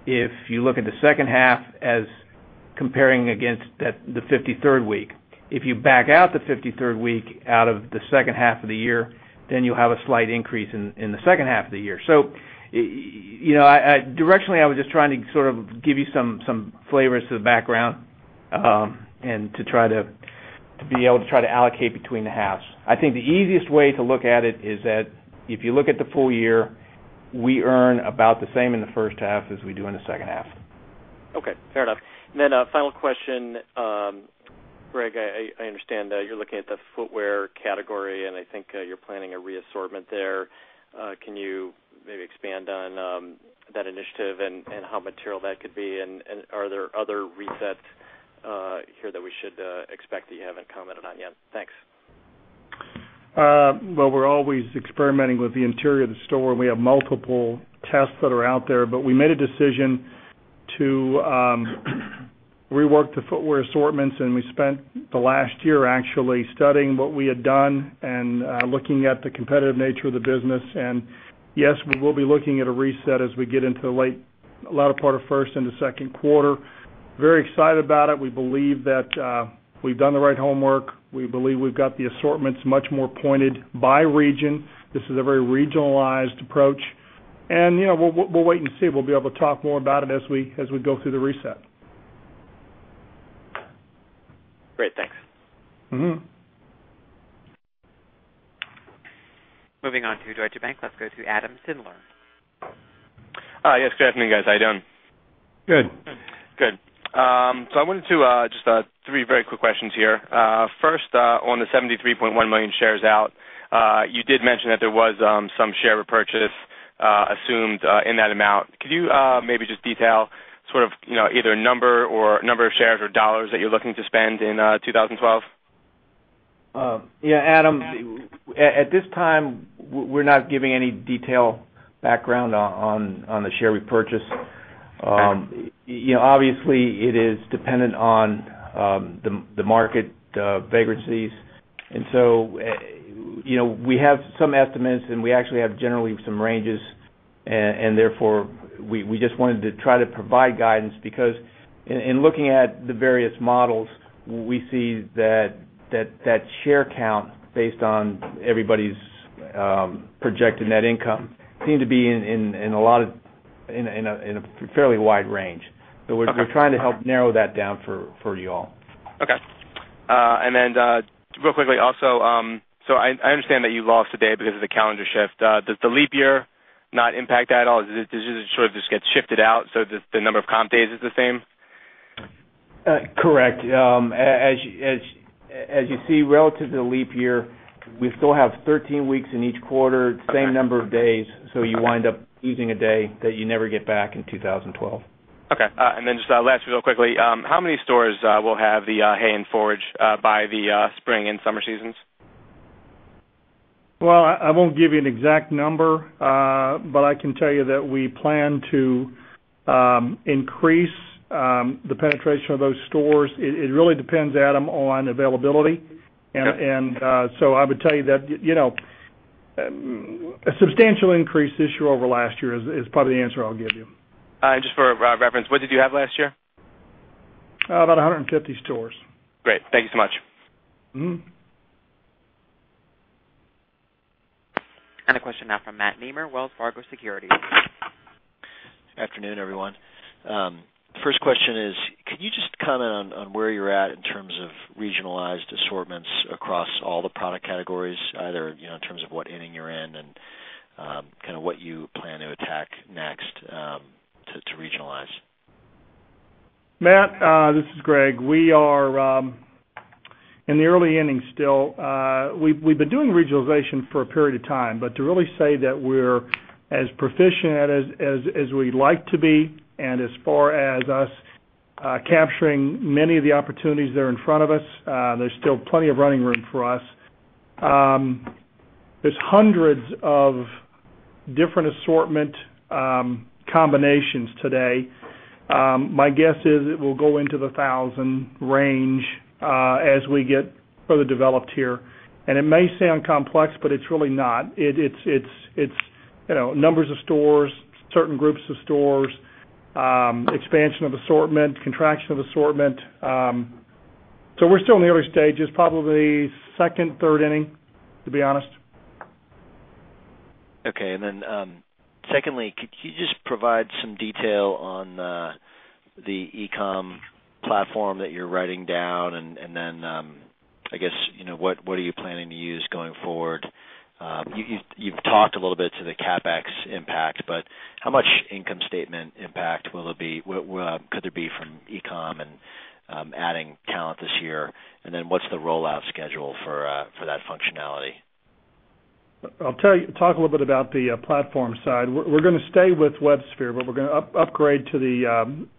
if you look at the second half as comparing against the 53rd week. If you back out the 53rd week out of the second half of the year, you'll have a slight increase in the second half of the year. Directionally, I was just trying to sort of give you some flavors to the background and to try to be able to try to allocate between the halves. I think the easiest way to look at it is that if you look at the full year, we earn about the same in the first half as we do in the second half. Okay. Fair enough. A final question, Greg, I understand you're looking at the footwear category, and I think you're planning a reassortment there. Can you maybe expand on that initiative and how material that could be? Are there other resets here that we should expect that you haven't commented on yet? Thanks. We are always experimenting with the interior of the store, and we have multiple tests that are out there. We made a decision to rework the footwear assortments, and we spent the last year actually studying what we had done and looking at the competitive nature of the business. Yes, we will be looking at a reset as we get into the late, latter part of first into second quarter. Very excited about it. We believe that we've done the right homework. We believe we've got the assortments much more pointed by region. This is a very regionalized approach. You know, we will wait and see. We will be able to talk more about it as we go through the reset. Great. Thanks. Moving on to Deutsche Bank, let's go to Adam Sindler. Yes, good afternoon, guys. How are you doing? Good. Good. I wanted to just ask three very quick questions here. First, on the 73.1 million shares out, you did mention that there was some share repurchase assumed in that amount. Could you maybe just detail either a number or a number of shares or dollars that you're looking to spend in 2012? Yeah, Adam, at this time, we're not giving any detailed background on the share repurchase. Obviously, it is dependent on the market variances. We have some estimates, and we actually have generally some ranges, and therefore, we just wanted to try to provide guidance because in looking at the various models, we see that that share count based on everybody's projected net income seemed to be in a fairly wide range. We're trying to help narrow that down for you all. Okay. Real quickly, also, I understand that you lost a day because of the calendar shift. Does the leap year not impact that at all? Does it sort of just get shifted out so that the number of comp days is the same? Correct. As you see, relative to the leap year, we still have 13 weeks in each quarter, same number of days. You wind up using a day that you never get back in 2012. Okay. Lastly, real quickly, how many stores will have the hay and forage by the spring and summer seasons? I won't give you an exact number, but I can tell you that we plan to increase the penetration of those stores. It really depends, Adam, on availability. I would tell you that a substantial increase this year over last year is probably the answer I'll give you. For reference, what did you have last year? About 150 stores. Great. Thank you so much. A question now from Matt Nemer, Wells Fargo Securities. Good afternoon, everyone. First question is, could you just comment on where you're at in terms of regionalized assortments across all the product categories, either in terms of what inning you're in and what you plan to attack next to regionalize? Matt, this is Greg. We are in the early innings still. We've been doing regionalization for a period of time, but to really say that we're as proficient as we'd like to be, and as far as us capturing many of the opportunities that are in front of us, there's still plenty of running room for us. There are hundreds of different assortment combinations today. My guess is it will go into the thousand range as we get further developed here. It may sound complex, but it's really not. It's numbers of stores, certain groups of stores, expansion of assortment, contraction of assortment. We're still in the early stages, probably second, third inning, to be honest. Okay. Could you just provide some detail on the e-commerce platform that you're writing down? What are you planning to use going forward? You've talked a little bit to the CapEx impact, but how much income statement impact will there be? Could there be from e-commerce and adding talent this year? What's the rollout schedule for that functionality? I'll talk a little bit about the platform side. We're going to stay with WebSphere, but we're going to upgrade to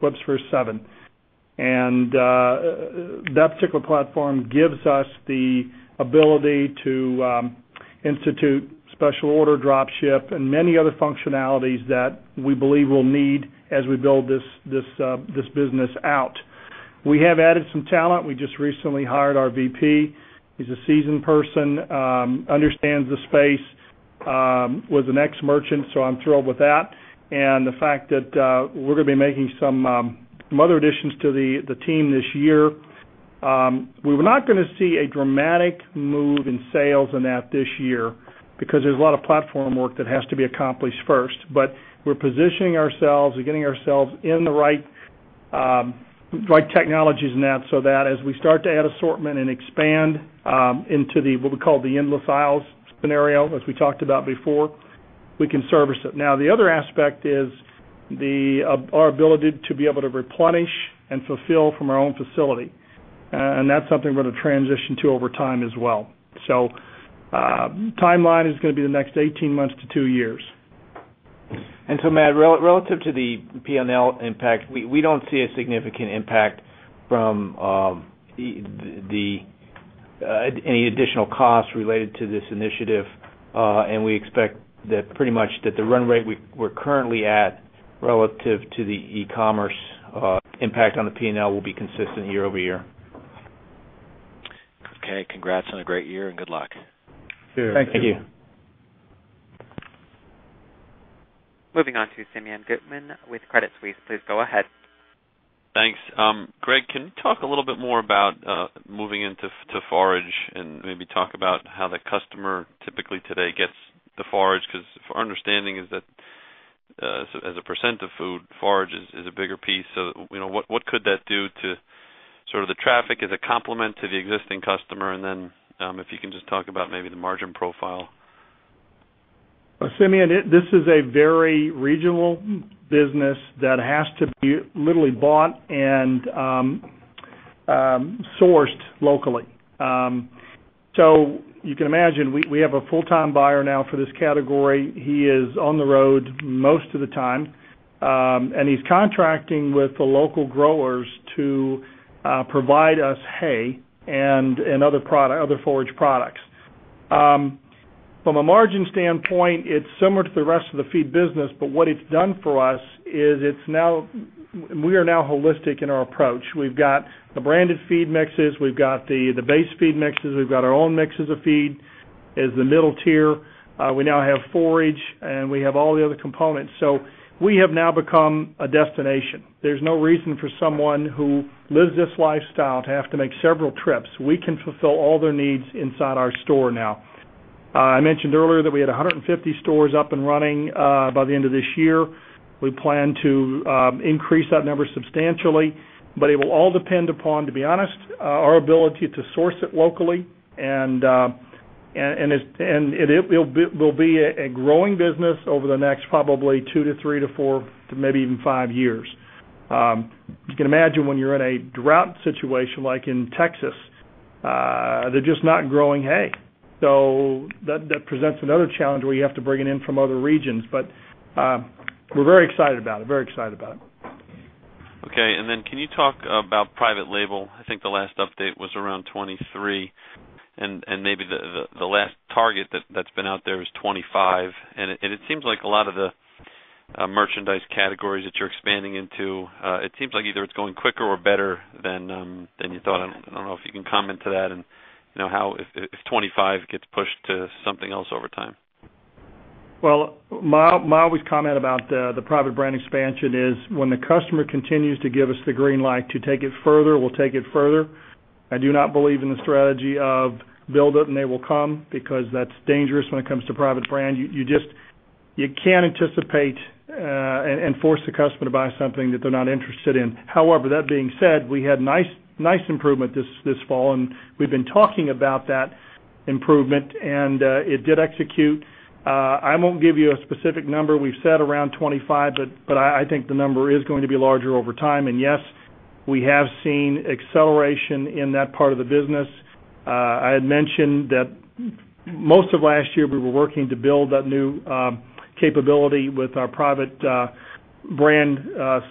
WebSphere 7. That particular platform gives us the ability to institute special order dropship and many other functionalities that we believe we'll need as we build this business out. We have added some talent. We just recently hired our VP. He's a seasoned person, understands the space, was an ex-merchant, so I'm thrilled with that. The fact that we're going to be making some other additions to the team this year, we are not going to see a dramatic move in sales in that this year because there's a lot of platform work that has to be accomplished first. We're positioning ourselves, we're getting ourselves in the right technologies in that so that as we start to add assortment and expand into what we call the endless aisles scenario, as we talked about before, we can service it. The other aspect is our ability to be able to replenish and fulfill from our own facility. That's something we're going to transition to over time as well. The timeline is going to be the next 18 months to two years. Matt, relative to the P&L impact, we don't see a significant impact from any additional costs related to this initiative. We expect that pretty much the run rate we're currently at relative to the e-commerce impact on the P&L will be consistent year over year. Okay. Congrats on a great year and good luck. Sure. Thank you. Moving on to Simeon Gutman with Credit Suisse. Please go ahead. Thanks. Greg, can you talk a little bit more about moving into forage and maybe talk about how the customer typically today gets the forage? Our understanding is that as a % of food, forage is a bigger piece. What could that do to sort of the traffic as a complement to the existing customer? If you can just talk about maybe the margin profile. This is a very regional business that has to be literally bought and sourced locally. You can imagine we have a full-time buyer now for this category. He is on the road most of the time, and he's contracting with the local growers to provide us hay and other forage products. From a margin standpoint, it's similar to the rest of the feed business, but what it's done for us is it's now, and we are now holistic in our approach. We've got the branded feed mixes, we've got the base feed mixes, we've got our own mixes of feed as the middle tier. We now have forage, and we have all the other components. We have now become a destination. There's no reason for someone who lives this lifestyle to have to make several trips. We can fulfill all their needs inside our store now. I mentioned earlier that we had 150 stores up and running by the end of this year. We plan to increase that number substantially, but it will all depend upon, to be honest, our ability to source it locally. It will be a growing business over the next probably two to three to four to maybe even five years. You can imagine when you're in a drought situation like in Texas, they're just not growing hay. That presents another challenge where you have to bring it in from other regions. We're very excited about it, very excited about it. Okay. Can you talk about private label? I think the last update was around 23%, and maybe the last target that's been out there is 25%. It seems like a lot of the merchandise categories that you're expanding into, it seems like either it's going quicker or better than you thought. I don't know if you can comment to that and how, if 25% gets pushed to something else over time. My always comment about the private label brands expansion is when the customer continues to give us the green light to take it further, we'll take it further. I do not believe in the strategy of build it and they will come because that's dangerous when it comes to private label brands. You just can't anticipate and force the customer to buy something that they're not interested in. However, that being said, we had nice improvement this fall, and we've been talking about that improvement, and it did execute. I won't give you a specific number. We've said around 25%, but I think the number is going to be larger over time. Yes, we have seen acceleration in that part of the business. I had mentioned that most of last year we were working to build that new capability with our private label brands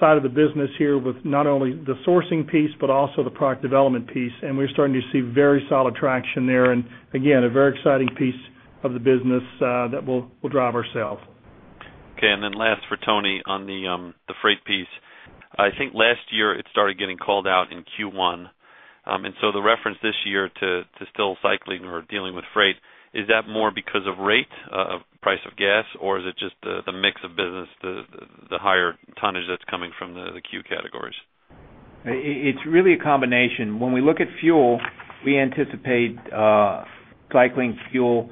side of the business here with not only the sourcing piece, but also the product development piece. We're starting to see very solid traction there. Again, a very exciting piece of the business that we'll drive ourselves. Okay. Last for Tony on the freight piece. I think last year it started getting called out in Q1. The reference this year to still cycling or dealing with freight, is that more because of rate, of price of gas, or is it just the mix of business, the higher tonnage that's coming from the Q categories? It's really a combination. When we look at fuel, we anticipate cycling fuel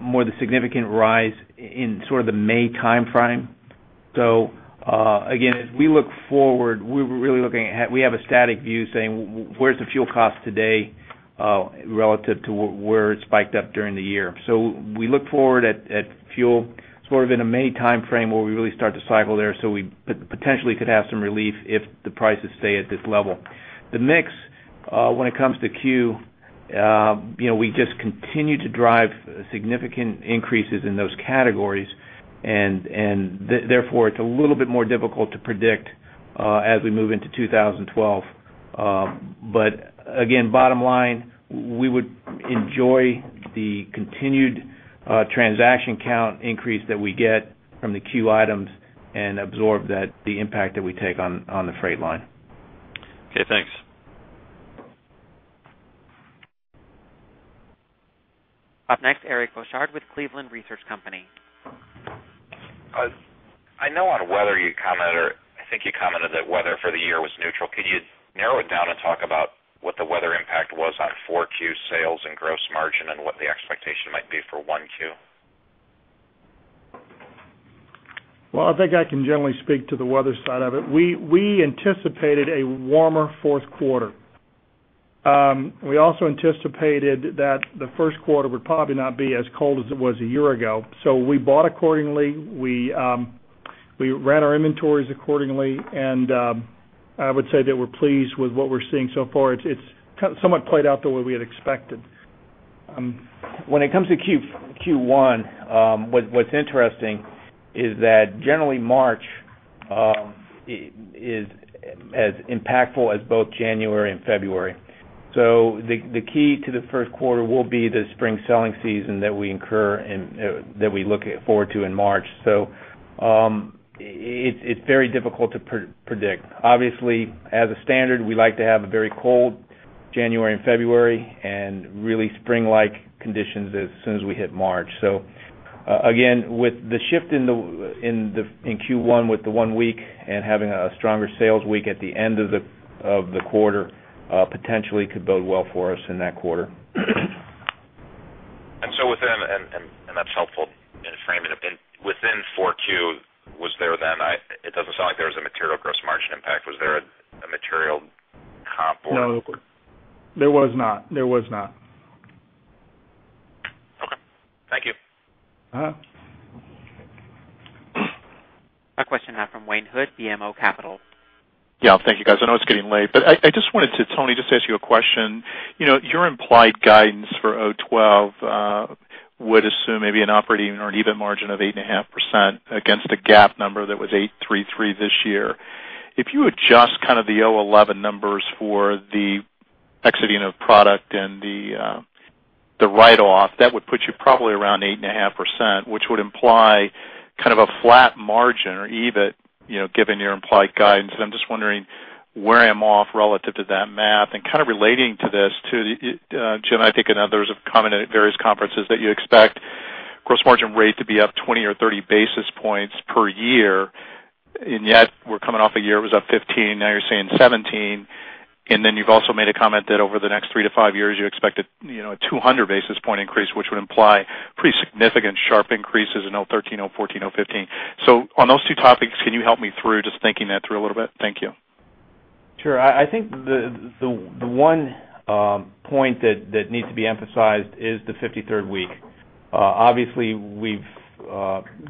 more of the significant rise in the May timeframe. If we look forward, we're really looking at, we have a static view saying where's the fuel cost today relative to where it spiked up during the year. We look forward at fuel in a May timeframe where we really start to cycle there. We potentially could have some relief if the prices stay at this level. The mix, when it comes to Q, we just continue to drive significant increases in those categories. Therefore, it's a little bit more difficult to predict as we move into 2012. Bottom line, we would enjoy the continued transaction count increase that we get from the Q items and absorb the impact that we take on the freight line. Okay, thanks. Up next, Eric Bosshard with Cleveland Research Company. I know on weather you commented, or I think you commented that weather for the year was neutral. Could you narrow it down and talk about what the weather impact was on Q4 sales and gross margin, and what the expectation might be for Q1? I think I can generally speak to the weather side of it. We anticipated a warmer fourth quarter. We also anticipated that the first quarter would probably not be as cold as it was a year ago. We bought accordingly. We ran our inventories accordingly. I would say that we're pleased with what we're seeing so far. It's somewhat played out the way we had expected. When it comes to Q1, what's interesting is that generally March is as impactful as both January and February. The key to the first quarter will be the spring selling season that we incur and that we look forward to in March. It's very difficult to predict. Obviously, as a standard, we like to have a very cold January and February and really spring-like conditions as soon as we hit March. With the shift in Q1 with the one week and having a stronger sales week at the end of the quarter, potentially could build well for us in that quarter. Within, and that's helpful in framing it, within four Q, was there then, I don't know. There Was a material gross margin impact. Was there a material comp or? No, there was not. There was not. Thank you. A question now from Wayne Hood, BMO Capital. Yeah, thank you, guys. I know it's getting late, but I just wanted to, Tony, just ask you a question. You know, your implied guidance for 2012 would assume maybe an operating or an EBIT margin of 8.5% against a GAAP number that was 8.33% this year. If you adjust kind of the 2011 numbers for the exiting of product and the write-off, that would put you probably around 8.5%, which would imply kind of a flat margin or EBIT, you know, given your implied guidance. I'm just wondering where I'm off relative to that math and kind of relating to this, too, Jim, I think, and others have commented at various conferences that you expect gross margin rate to be up 20 or 30 basis points per year. Yet we're coming off a year it was up 15. Now you're saying 17. You've also made a comment that over the next three to five years you expect a 200 basis point increase, which would imply pretty significant sharp increases in 2013, 2014, 2015. On those two topics, can you help me through just thinking that through a little bit? Thank you. Sure. I think the one point that needs to be emphasized is the 53rd week. Obviously, we've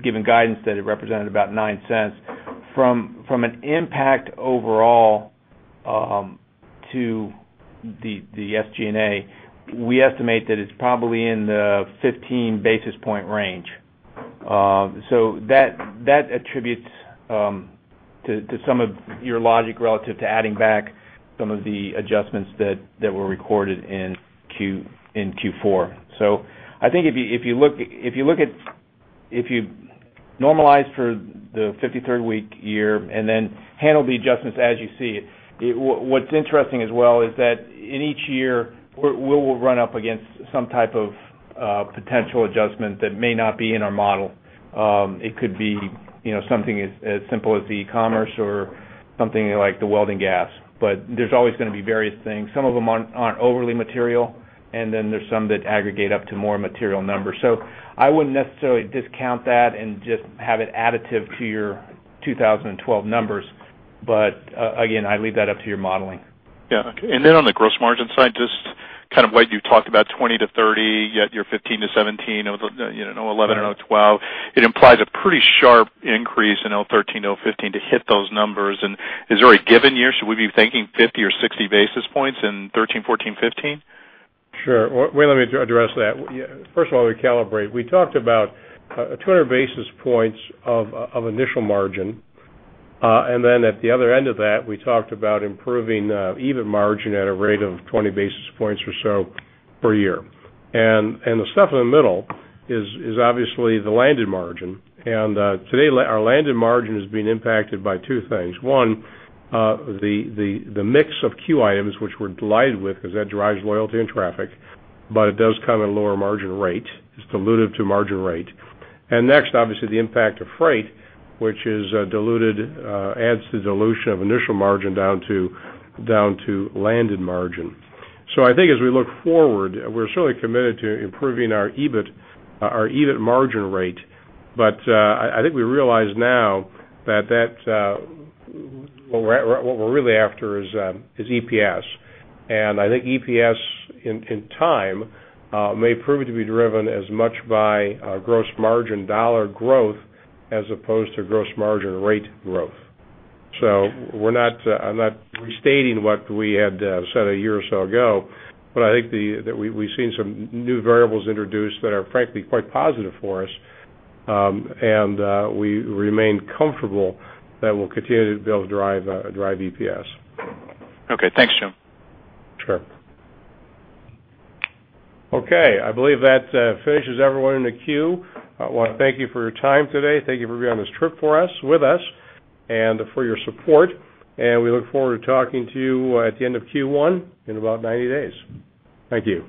given guidance that it represented about $0.09. From an impact overall to the SG&A, we estimate that it's probably in the 15 basis point range. That attributes to some of your logic relative to adding back some of the adjustments that were recorded in Q4. I think if you look at, if you normalize for the 53rd week year and then handle the adjustments as you see it, what's interesting as well is that in each year, we will run up against some type of potential adjustment that may not be in our model. It could be something as simple as the e-commerce or something like the welding gas. There's always going to be various things. Some of them aren't overly material, and then there's some that aggregate up to more material numbers. I wouldn't necessarily discount that and just have it additive to your 2012 numbers. Again, I leave that up to your modeling. Okay. On the gross margin side, just kind of what you talked about, 20 to 30, yet your 15 to 17 of 2011 and 2012, it implies a pretty sharp increase in 2013, 2015 to hit those numbers. Is there a given year? Should we be thinking 50 or 60 basis points in 2013, 2014, 2015? Sure. Let me address that. First of all, we calibrate. We talked about 200 basis points of initial margin. At the other end of that, we talked about improving EBIT margin at a rate of 20 basis points or so per year. The stuff in the middle is obviously the landed margin. Today, our landed margin is being impacted by two things. One, the mix of Q items, which we're delighted with because that drives loyalty and traffic, but it does come at a lower margin rate. It's diluted to margin rate. Next, obviously, the impact of freight, which is diluted, adds to the dilution of initial margin down to landed margin. I think as we look forward, we're certainly committed to improving our EBIT margin rate. I think we realize now that what we're really after is EPS. I think EPS in time may prove to be driven as much by gross margin dollar growth as opposed to gross margin rate growth. I'm not restating what we had said a year or so ago, but I think that we've seen some new variables introduced that are frankly quite positive for us. We remain comfortable that we'll continue to build drive EPS. Okay. Thanks, Jim. Sure. Okay. I believe that finishes everyone in the queue. I want to thank you for your time today. Thank you for being on this trip with us and for your support. We look forward to talking to you at the end of Q1 in about 90 days. Thank you.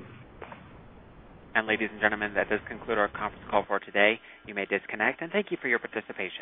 Ladies and gentlemen, that does conclude our conference call for today. You may disconnect. Thank you for your participation.